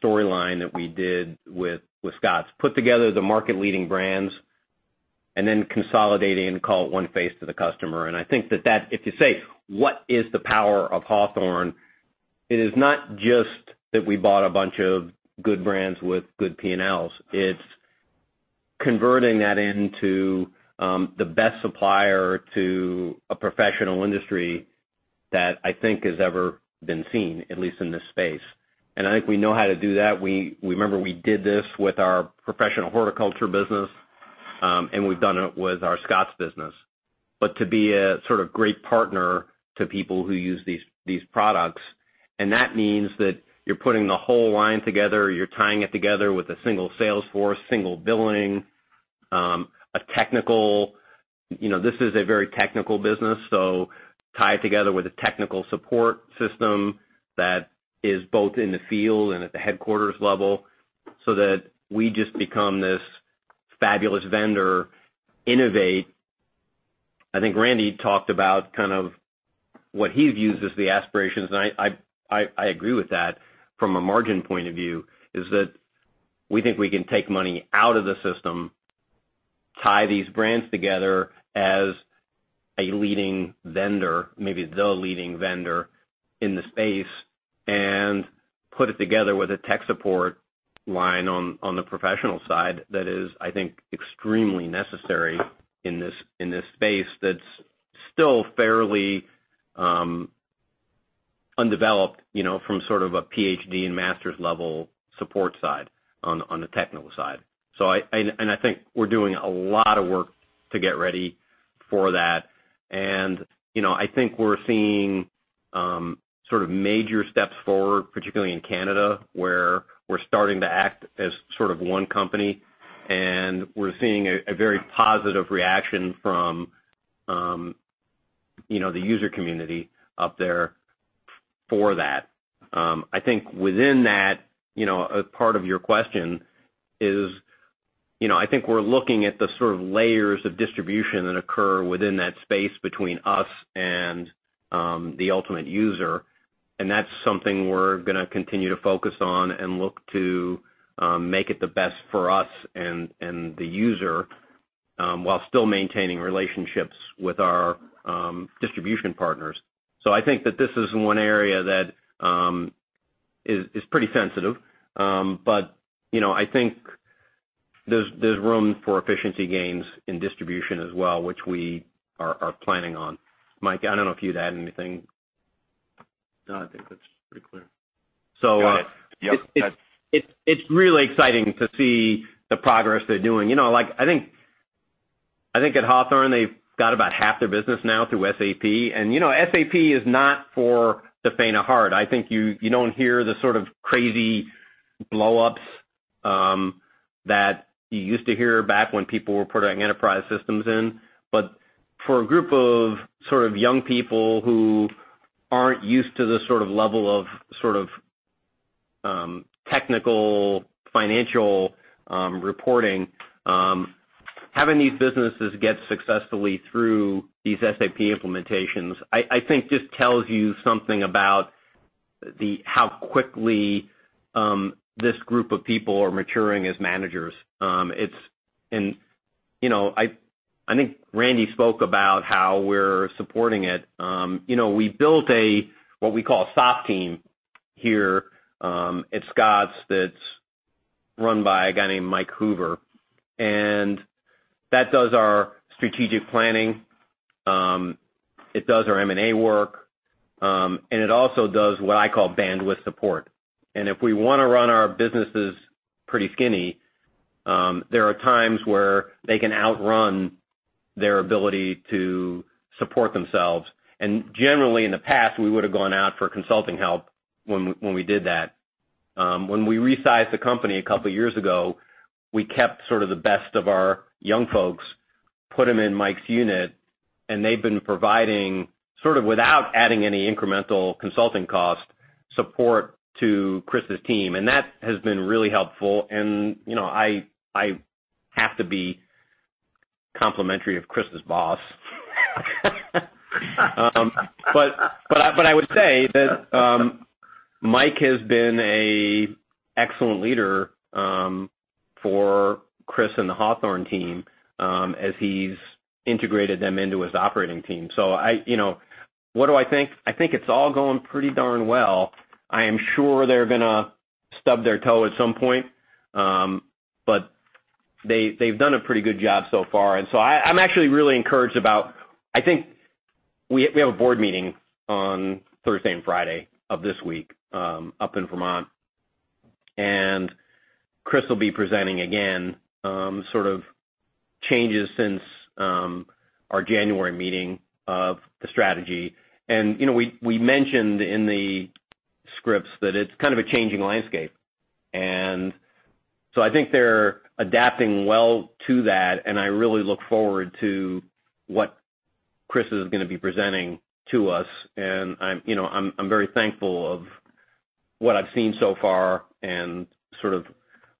Speaker 3: storyline that we did with Scotts. Put together the market leading brands and then consolidating and call it one face to the customer. I think that if you say, what is the power of Hawthorne? It is not just that we bought a bunch of good brands with good P&Ls. It's converting that into the best supplier to a professional industry that I think has ever been seen, at least in this space. I think we know how to do that. Remember, we did this with our professional horticulture business, and we've done it with our Scotts business. To be a sort of great partner to people who use these products, and that means that you're putting the whole line together, you're tying it together with a single sales force, single billing. This is a very technical business, tie it together with a technical support system that is both in the field and at the headquarters level so that we just become this fabulous vendor. Innovate. I think Randy talked about kind of what he views as the aspirations, I agree with that from a margin point of view, is that we think we can take money out of the system, tie these brands together as a leading vendor, maybe the leading vendor in the space, and put it together with a tech support line on the professional side that is, I think, extremely necessary in this space that's still fairly undeveloped from sort of a Ph.D. and master's level support side on the technical side. I think we're doing a lot of work to get ready for that. I think we're seeing sort of major steps forward, particularly in Canada, where we're starting to act as sort of one company, and we're seeing a very positive reaction from the user community up there for that. I think within that, a part of your question is I think we're looking at the sort of layers of distribution that occur within that space between us and the ultimate user, that's something we're going to continue to focus on and look to make it the best for us and the user, while still maintaining relationships with our distribution partners. I think that this is one area that is pretty sensitive. There's room for efficiency gains in distribution as well, which we are planning on. Mike, I don't know if you'd add anything.
Speaker 6: No, I think that's pretty clear.
Speaker 3: So-
Speaker 9: Got it. Yep
Speaker 3: It's really exciting to see the progress they're doing. I think at Hawthorne, they've got about half their business now through SAP. SAP is not for the faint of heart. I think you don't hear the sort of crazy blowups that you used to hear back when people were putting enterprise systems in. For a group of young people who aren't used to the sort of level of technical, financial reporting, having these businesses get successfully through these SAP implementations, I think, just tells you something about how quickly this group of people are maturing as managers. I think Randy spoke about how we're supporting it. We built a, what we call a SWAT team here at Scotts, that's run by a guy named Mike Hoover, and that does our strategic planning. It does our M&A work. It also does what I call bandwidth support. If we want to run our businesses pretty skinny, there are times where they can outrun their ability to support themselves. Generally, in the past, we would've gone out for consulting help when we did that. When we resized the company a couple of years ago, we kept sort of the best of our young folks, put them in Mike's unit, and they've been providing, sort of without adding any incremental consulting cost, support to Chris's team. That has been really helpful. I have to be complimentary of Chris's boss. I would say that Mike has been an excellent leader for Chris and the Hawthorne team as he's integrated them into his operating team. What do I think? I think it's all going pretty darn well. I am sure they're going to stub their toe at some point. They've done a pretty good job so far. I'm actually really encouraged about. We have a board meeting on Thursday and Friday of this week up in Vermont. Chris will be presenting again, sort of changes since our January meeting of the strategy. We mentioned in the scripts that it's kind of a changing landscape. I think they're adapting well to that, and I really look forward to what Chris is going to be presenting to us. I'm very thankful of what I've seen so far and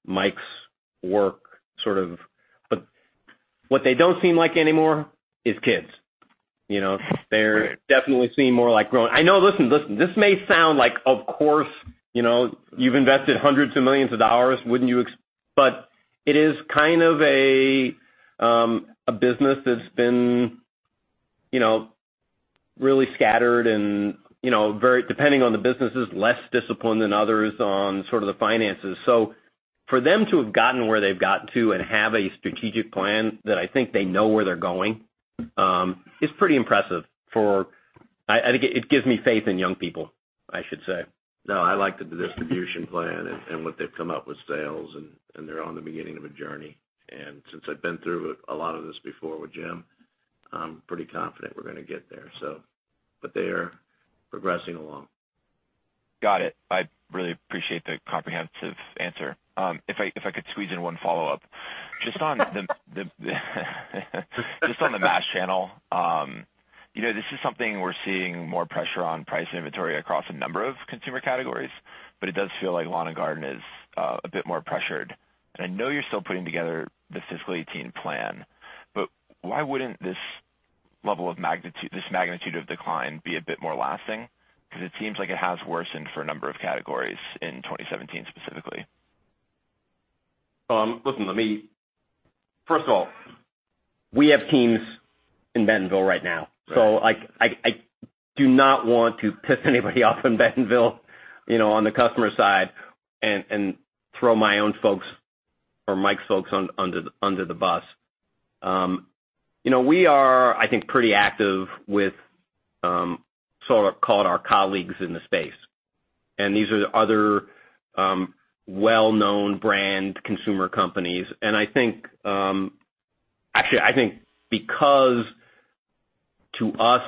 Speaker 3: Mike's work. What they don't seem like anymore is kids. They definitely seem more like grown. I know. Listen, this may sound like, of course, you've invested hundreds of millions of dollars, wouldn't you. It is kind of a business that's been really scattered and very, depending on the businesses, less disciplined than others on sort of the finances. For them to have gotten where they've gotten to and have a strategic plan that I think they know where they're going, is pretty impressive. It gives me faith in young people, I should say.
Speaker 6: No, I like the distribution plan and what they've come up with sales. They're on the beginning of a journey. Since I've been through a lot of this before with Jim, I'm pretty confident we're going to get there. They are progressing along.
Speaker 9: Got it. I really appreciate the comprehensive answer. If I could squeeze in one follow-up. Just on the mass channel. This is something we're seeing more pressure on price and inventory across a number of consumer categories. It does feel like Lawn & Garden is a bit more pressured. I know you're still putting together the fiscal 2018 plan. Why wouldn't this magnitude of decline be a bit more lasting? It seems like it has worsened for a number of categories in 2017 specifically.
Speaker 3: Listen, first of all, we have teams in Bentonville right now.
Speaker 9: Right.
Speaker 3: I do not want to piss anybody off in Bentonville on the customer side and throw my own folks or Mike's folks under the bus. We are, I think, pretty active with sort of call it our colleagues in the space. These are the other well-known brand consumer companies. Actually, I think because, to us,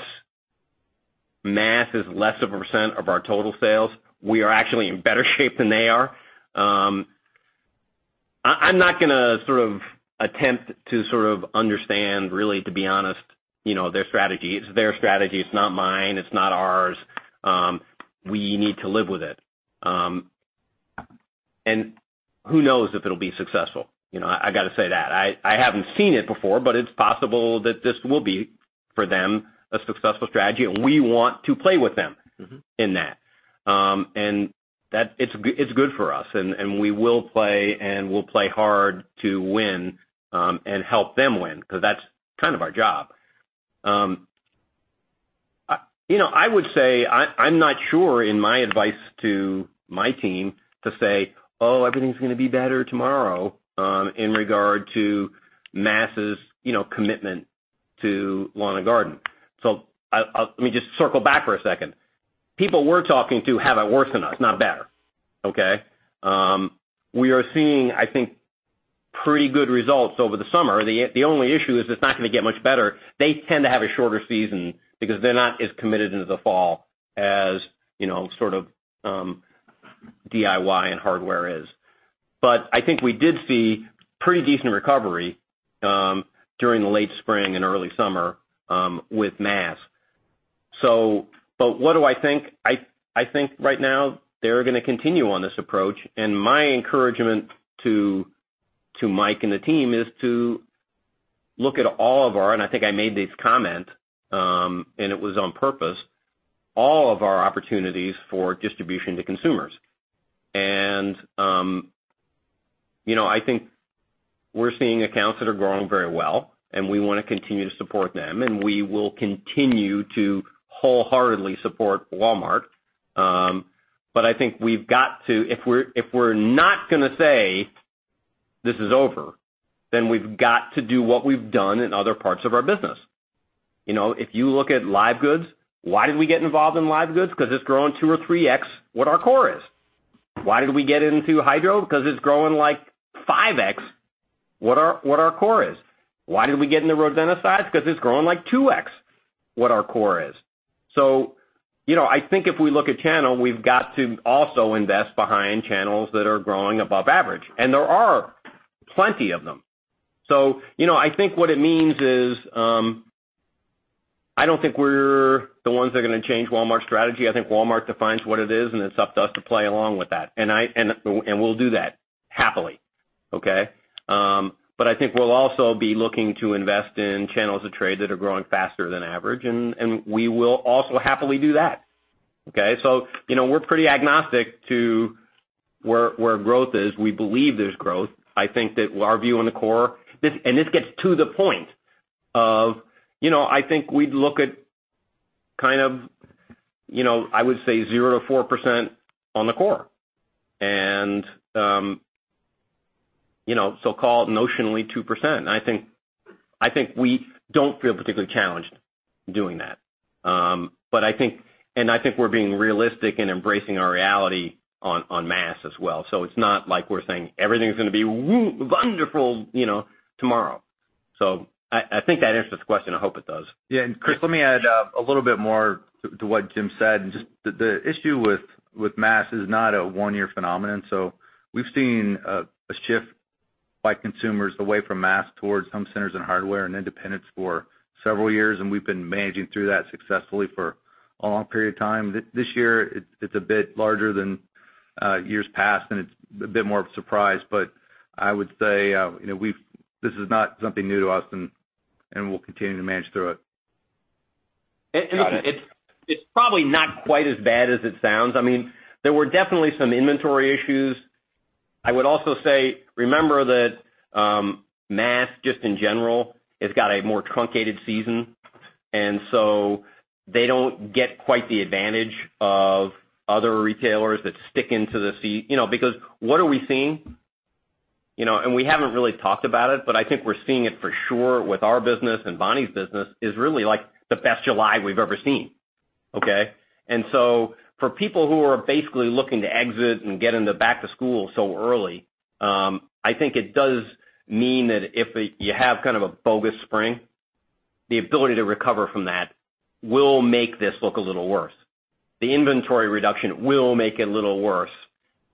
Speaker 3: mass is less of a % of our total sales, we are actually in better shape than they are. I'm not going to sort of attempt to understand really, to be honest, their strategy. It's their strategy. It's not mine. It's not ours. We need to live with it. Who knows if it'll be successful. I got to say that. I haven't seen it before, it's possible that this will be, for them, a successful strategy, and we want to play with them in that. It's good for us. We will play, and we'll play hard to win and help them win because that's kind of our job. I would say I'm not sure in my advice to my team to say, "Oh, everything's going to be better tomorrow," in regard to mass' commitment to lawn and garden. Let me just circle back for a second. People we're talking to have it worse than us, not better. Okay? We are seeing, I think, pretty good results over the summer. The only issue is it's not going to get much better. They tend to have a shorter season because they're not as committed into the fall as DIY and hardware is. I think we did see pretty decent recovery during the late spring and early summer with mass. What do I think? I think right now they're going to continue on this approach, and my encouragement to Mike and the team is to look at all of our, and I think I made this comment, and it was on purpose, all of our opportunities for distribution to consumers. I think we're seeing accounts that are growing very well, and we want to continue to support them, and we will continue to wholeheartedly support Walmart. I think if we're not going to say, "This is over," we've got to do what we've done in other parts of our business. If you look at live goods, why did we get involved in live goods? Because it's growing 2 or 3X what our core is. Why did we get into hydro? Because it's growing, like, 5X what our core is. Why did we get into hydro? Because it's growing, like, 2X what our core is. I think if we look at channel, we've got to also invest behind channels that are growing above average, and there are plenty of them. I think what it means is, I don't think we're the ones that are going to change Walmart's strategy. I think Walmart defines what it is, and it's up to us to play along with that. We'll do that happily. Okay? I think we'll also be looking to invest in channels of trade that are growing faster than average, and we will also happily do that. Okay? We're pretty agnostic to where growth is. We believe there's growth. I think that our view on the core, and this gets to the point of, I think we'd look at, I would say, 0%-4% on the core. So-called notionally 2%. I think we don't feel particularly challenged doing that. I think we're being realistic and embracing our reality on mass as well. It's not like we're saying everything's going to be wonderful tomorrow. I think that answers the question. I hope it does.
Speaker 4: Yeah. Chris, let me add a little bit more to what Jim said. Just the issue with mass is not a one-year phenomenon. We've seen a shift by consumers away from mass towards home centers and hardware and independents for several years, and we've been managing through that successfully for a long period of time. This year, it's a bit larger than years past, and it's a bit more of a surprise. I would say this is not something new to us, and we'll continue to manage through it.
Speaker 3: It's probably not quite as bad as it sounds. There were definitely some inventory issues. I would also say, remember that mass, just in general, has got a more truncated season. They don't get quite the advantage of other retailers that stick into the sea. Because what are we seeing? We haven't really talked about it, but I think we're seeing it for sure with our business and Bonnie Plants' business is really the best July we've ever seen. Okay? For people who are basically looking to exit and get into back to school so early I think it does mean that if you have kind of a bogus spring, the ability to recover from that will make this look a little worse. The inventory reduction will make it a little worse.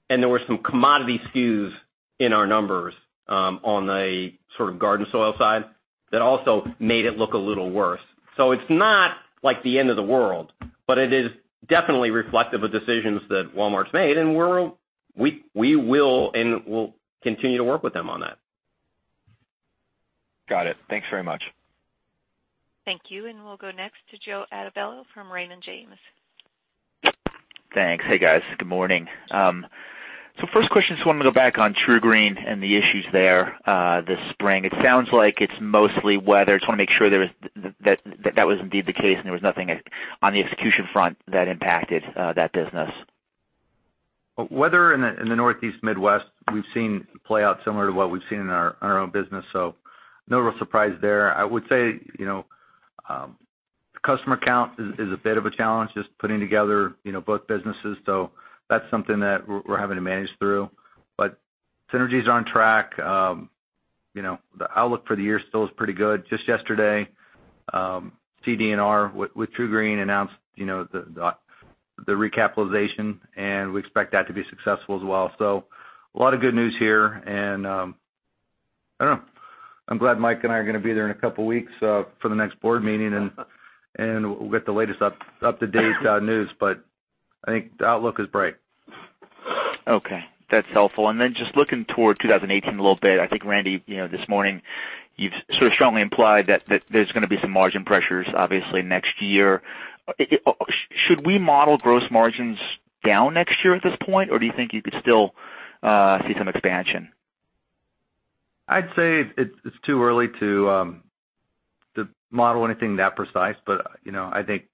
Speaker 3: There were some commodity SKUs in our numbers on a sort of garden soil side that also made it look a little worse. It's not like the end of the world, but it is definitely reflective of decisions that Walmart's made, and we'll continue to work with them on that.
Speaker 9: Got it. Thanks very much.
Speaker 1: Thank you. We'll go next to Joe Altobello from Raymond James.
Speaker 10: Thanks. Hey, guys. Good morning. First question, just wanted to go back on TruGreen and the issues there this spring. It sounds like it's mostly weather. Just want to make sure that was indeed the case and there was nothing on the execution front that impacted that business.
Speaker 4: Weather in the Northeast Midwest, we've seen play out similar to what we've seen in our own business, so no real surprise there. I would say, customer count is a bit of a challenge, just putting together both businesses. That's something that we're having to manage through. Synergy's on track. The outlook for the year still is pretty good. Just yesterday, TDNR with TruGreen announced the recapitalization, and we expect that to be successful as well. A lot of good news here, and I'm glad Mike and I are going to be there in a couple of weeks for the next board meeting, and we'll get the latest up-to-date news, but I think the outlook is bright.
Speaker 10: Okay, that's helpful. Just looking toward 2018 a little bit, I think Randy, this morning you've sort of strongly implied that there's going to be some margin pressures obviously next year. Should we model gross margins down next year at this point, or do you think you could still see some expansion?
Speaker 4: I'd say it's too early to model anything that precise. I think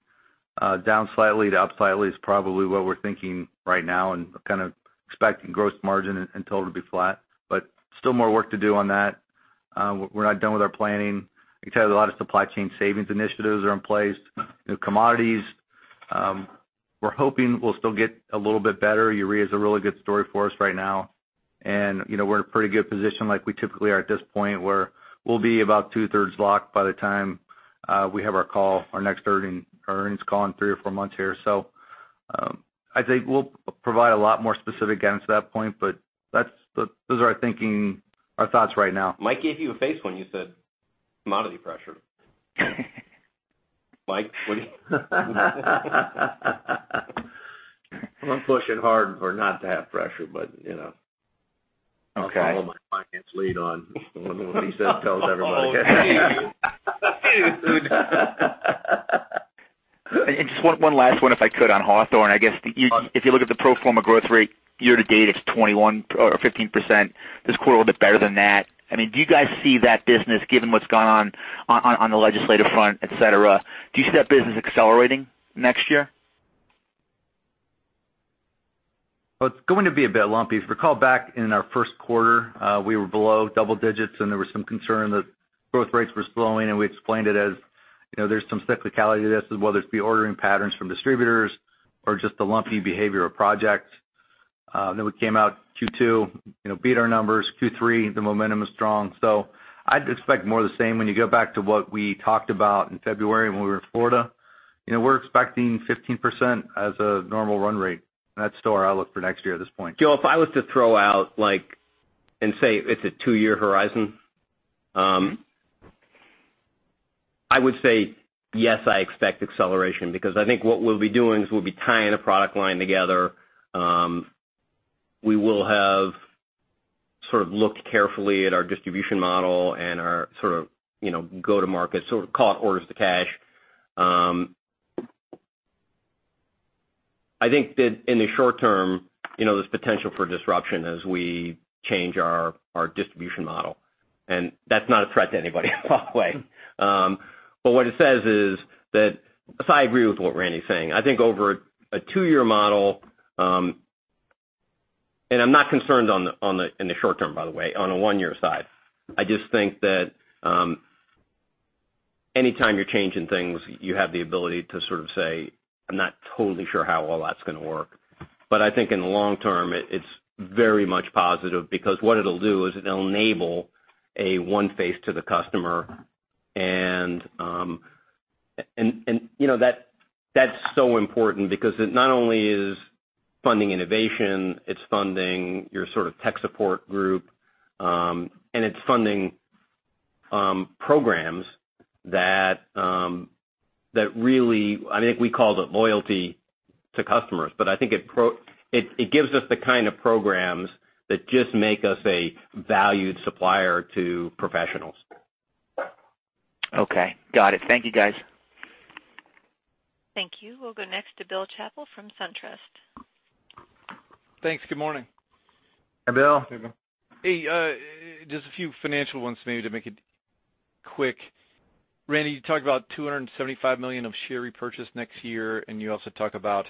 Speaker 4: down slightly to up slightly is probably what we're thinking right now, and kind of expecting gross margin and total to be flat. Still more work to do on that. We're not done with our planning. Like I said, a lot of supply chain savings initiatives are in place. Commodities, we're hoping will still get a little bit better. Urea is a really good story for us right now, and we're in a pretty good position like we typically are at this point, where we'll be about two-thirds locked by the time we have our call, our next earnings call in three or four months here. I'd say we'll provide a lot more specific guidance at that point, but those are our thinking, our thoughts right now.
Speaker 3: Mike gave you a face when you said commodity pressure. Mike, what do you
Speaker 6: I'm going to push it hard for not to have pressure, but you know.
Speaker 3: Okay.
Speaker 6: I'll follow my finance lead on whatever he says, tells everybody.
Speaker 3: Oh, gee. Dude.
Speaker 10: Just one last one, if I could, on Hawthorne. I guess if you look at the pro forma growth rate year-to-date, it's 21% or 15%. This quarter will be better than that. Do you guys see that business, given what's gone on the legislative front, et cetera, do you see that business accelerating next year?
Speaker 4: Well, it's going to be a bit lumpy. If you recall back in our first quarter, we were below double digits, there was some concern that growth rates were slowing, and we explained it as there's some cyclicality to this, as whether it's reordering patterns from distributors or just the lumpy behavior of projects. We came out Q2, beat our numbers. Q3, the momentum is strong. I'd expect more of the same. When you go back to what we talked about in February when we were in Florida, we're expecting 15% as a normal run rate. That's still our outlook for next year at this point.
Speaker 3: Jim, if I was to throw out like, say it's a two-year horizon. I would say yes, I expect acceleration, I think what we'll be doing is we'll be tying a product line together. We will have sort of looked carefully at our distribution model and our go to market, call it orders to cash. I think that in the short term, there's potential for disruption as we change our distribution model. That's not a threat to anybody by the way. What it says is that I agree with what Randy's saying. I think over a two-year model, I'm not concerned in the short term, by the way, on a one-year side. I just think that anytime you're changing things, you have the ability to sort of say, "I'm not totally sure how all that's gonna work." I think in the long term, it's very much positive what it'll do is it'll enable a one face to the customer. That's so important it not only is funding innovation, it's funding your sort of tech support group, it's funding programs that really, I think we call it loyalty to customers. I think it gives us the kind of programs that just make us a valued supplier to professionals.
Speaker 10: Okay. Got it. Thank you, guys.
Speaker 1: Thank you. We'll go next to Bill Chappell from SunTrust.
Speaker 11: Thanks. Good morning.
Speaker 4: Hey, Bill.
Speaker 11: Hey. Just a few financial ones maybe to make it quick. Randy, you talked about $275 million of share repurchase next year, and you also talk about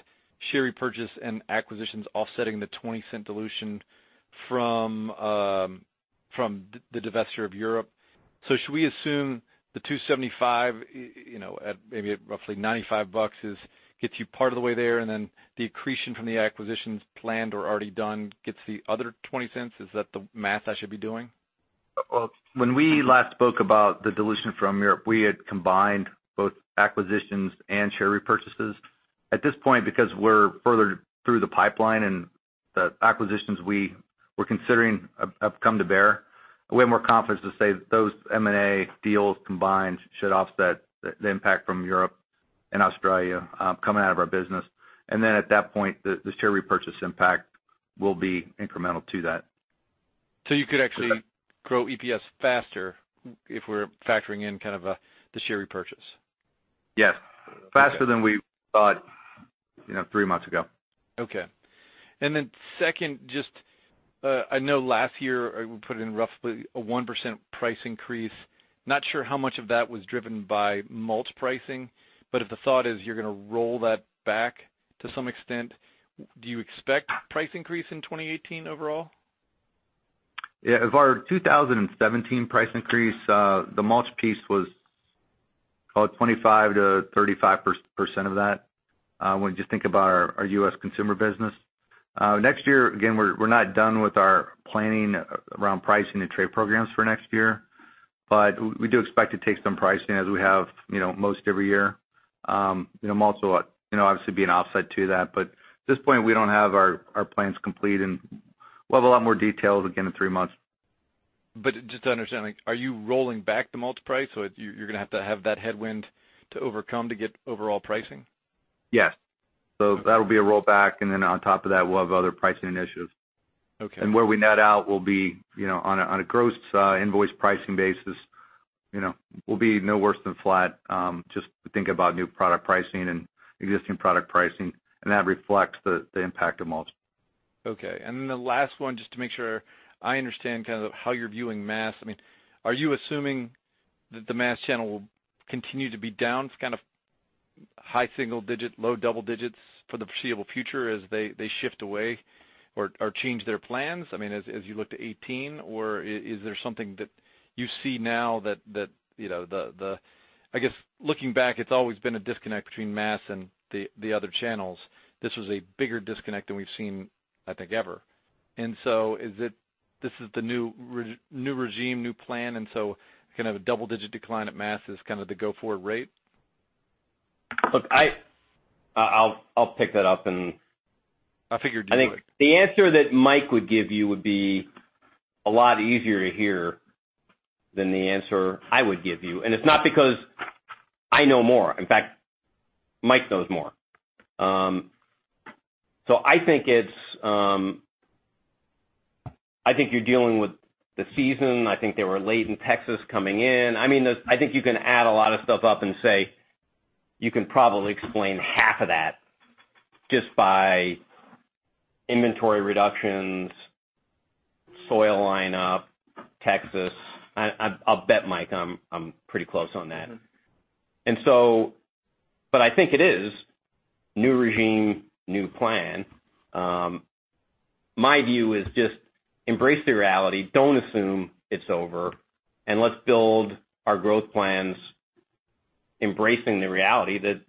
Speaker 11: share repurchase and acquisitions offsetting the $0.20 dilution from the divesture of Europe. Should we assume the 275, at maybe roughly $95 gets you part of the way there, and then the accretion from the acquisitions planned or already done gets the other $0.20? Is that the math I should be doing?
Speaker 4: Well, when we last spoke about the dilution from Europe, we had combined both acquisitions and share repurchases. At this point, because we're further through the pipeline and the acquisitions we were considering have come to bear, we have more confidence to say that those M&A deals combined should offset the impact from Europe and Australia coming out of our business. Then at that point, the share repurchase impact will be incremental to that.
Speaker 11: You could actually grow EPS faster if we're factoring in kind of the share repurchase?
Speaker 4: Yes. Faster than we thought three months ago.
Speaker 11: Okay. Then second, just I know last year, put in roughly a 1% price increase. Not sure how much of that was driven by mulch pricing, but if the thought is you're gonna roll that back to some extent, do you expect price increase in 2018 overall?
Speaker 4: Yeah. Of our 2017 price increase, the mulch piece was about 25%-35% of that, when you just think about our U.S. consumer business. Next year, again, we're not done with our planning around pricing and trade programs for next year. We do expect to take some pricing as we have most every year. Mulch will obviously be an offset to that. At this point, we don't have our plans complete, and we'll have a lot more details again in three months.
Speaker 11: Just to understand, are you rolling back the mulch price, so you're gonna have to have that headwind to overcome to get overall pricing?
Speaker 4: Yes. That'll be a rollback, and then on top of that, we'll have other pricing initiatives.
Speaker 11: Okay.
Speaker 4: Where we net out will be on a gross invoice pricing basis.
Speaker 3: Will be no worse than flat. Just think about new product pricing and existing product pricing, that reflects the impact of mulch.
Speaker 11: Okay. The last one, just to make sure I understand how you're viewing mass. Are you assuming that the mass channel will continue to be down kind of high single digit, low double digits for the foreseeable future as they shift away or change their plans as you look to 2018? Is there something that you see now that I guess, looking back, it's always been a disconnect between mass and the other channels. This was a bigger disconnect than we've seen, I think, ever. Is it, this is the new regime, new plan, and so kind of a double-digit decline at mass is kind of the go-forward rate?
Speaker 3: Look, I'll pick that up. I figured you would I think the answer that Mike would give you would be a lot easier to hear than the answer I would give you. It's not because I know more. In fact, Mike knows more. I think you're dealing with the season. I think they were late in Texas coming in. I think you can add a lot of stuff up and say you can probably explain half of that just by inventory reductions, soil line up, Texas. I'll bet, Mike, I'm pretty close on that. I think it is new regime, new plan. My view is just embrace the reality, don't assume it's over, and let's build our growth plans embracing the reality that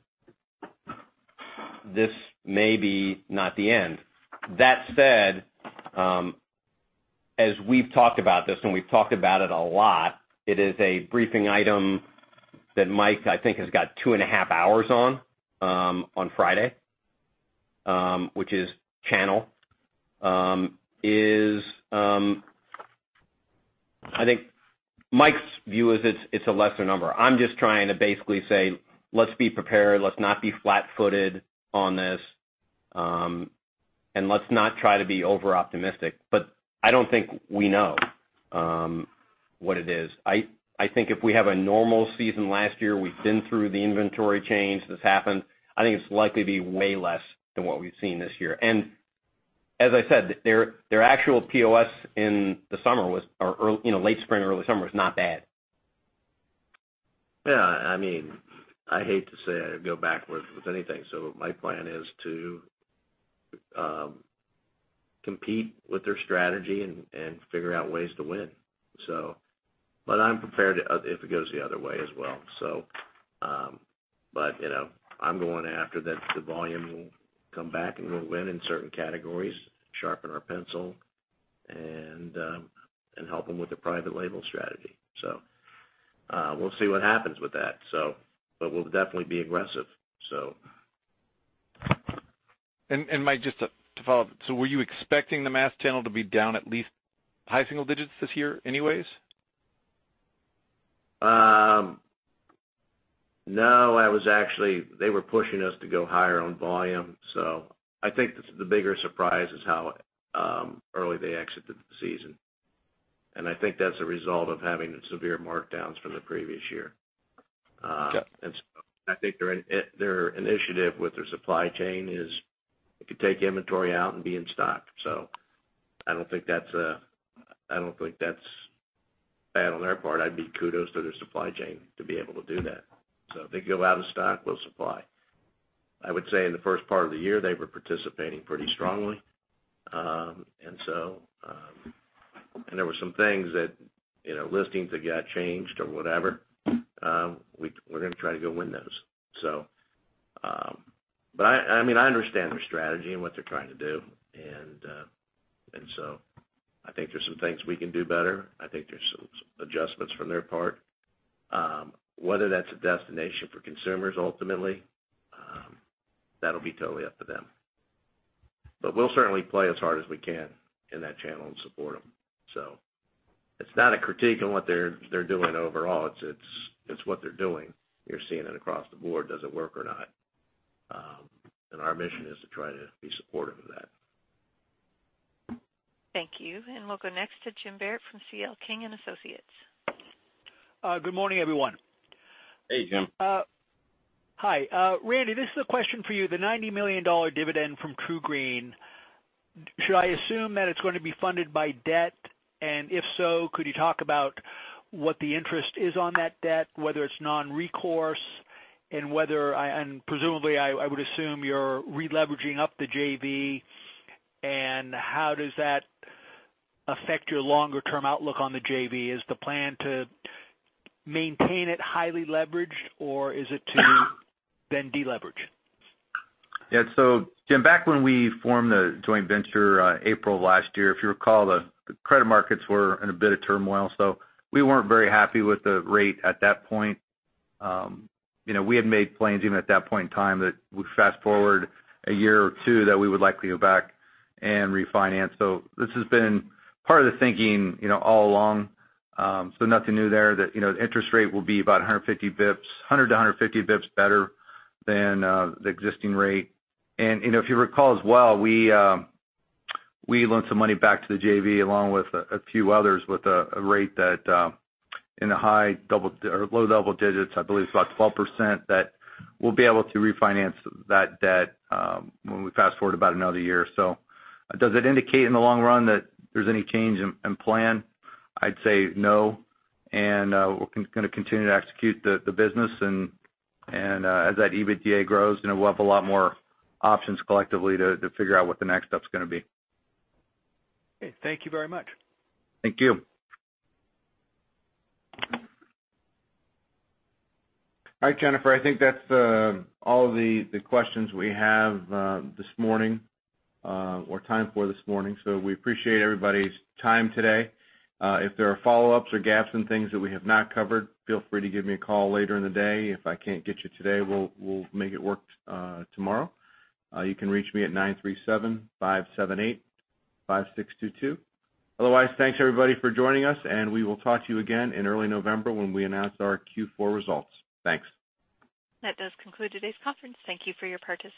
Speaker 3: this may be not the end. That said, as we've talked about this, and we've talked about it a lot, it is a briefing item that Mike, I think, has got two and a half hours on Friday, which is channel. I think Mike's view is it's a lesser number. I'm just trying to basically say, let's be prepared, let's not be flat-footed on this, and let's not try to be over-optimistic. I don't think we know what it is. I think if we have a normal season last year, we've been through the inventory change that's happened, I think it's likely to be way less than what we've seen this year. As I said, their actual POS in late spring, early summer is not bad.
Speaker 6: Yeah. I hate to say I'd go back with anything. My plan is to compete with their strategy and figure out ways to win. I'm prepared if it goes the other way as well. I'm going after that the volume will come back, and we'll win in certain categories, sharpen our pencil, and help them with their private label strategy. We'll see what happens with that. We'll definitely be aggressive.
Speaker 11: Mike, just to follow up. Were you expecting the mass channel to be down at least high single digits this year anyways?
Speaker 6: No. They were pushing us to go higher on volume. I think the bigger surprise is how early they exited the season. I think that's a result of having the severe markdowns from the previous year.
Speaker 11: Yep.
Speaker 6: I think their initiative with their supply chain is they could take inventory out and be in stock. I don't think that's bad on their part. I'd be kudos to their supply chain to be able to do that. If they go out of stock, we'll supply. I would say in the first part of the year, they were participating pretty strongly. There were some things that, listings that got changed or whatever. We're going to try to go win those. I understand their strategy and what they're trying to do. I think there's some things we can do better. I think there's some adjustments from their part. Whether that's a destination for consumers ultimately, that'll be totally up to them. We'll certainly play as hard as we can in that channel and support them. It's not a critique on what they're doing overall. It's what they're doing. You're seeing it across the board. Does it work or not? Our mission is to try to be supportive of that.
Speaker 1: Thank you. We'll go next to James Barrett from C.L. King & Associates.
Speaker 12: Good morning, everyone.
Speaker 3: Hey, Jim.
Speaker 12: Hi. Randy, this is a question for you. The $90 million dividend from TruGreen, should I assume that it's going to be funded by debt? If so, could you talk about what the interest is on that debt, whether it's non-recourse, and presumably, I would assume you're releveraging up the JV, and how does that affect your longer-term outlook on the JV? Is the plan to maintain it highly leveraged, or is it to then deleverage?
Speaker 4: Jim, back when we formed the joint venture April last year, if you recall, the credit markets were in a bit of turmoil, we weren't very happy with the rate at that point. We had made plans even at that point in time that we fast-forward a year or two that we would likely go back and refinance. This has been part of the thinking all along. Nothing new there that the interest rate will be about 100-150 basis points better than the existing rate. If you recall as well, we loaned some money back to the JV along with a few others with a rate that in the low double digits, I believe it's about 12%, that we'll be able to refinance that debt when we fast-forward about another year or so. Does it indicate in the long run that there's any change in plan? I'd say no. We're going to continue to execute the business, and as that EBITDA grows, we'll have a lot more options collectively to figure out what the next step's going to be.
Speaker 12: Okay. Thank you very much.
Speaker 2: Thank you. All right, Jennifer, I think that's all of the questions we have this morning, or time for this morning. We appreciate everybody's time today. If there are follow-ups or gaps in things that we have not covered, feel free to give me a call later in the day. If I can't get you today, we'll make it work tomorrow. You can reach me at (937) 578-5622. Otherwise, thanks everybody for joining us, and we will talk to you again in early November when we announce our Q4 results. Thanks.
Speaker 1: That does conclude today's conference. Thank you for your participation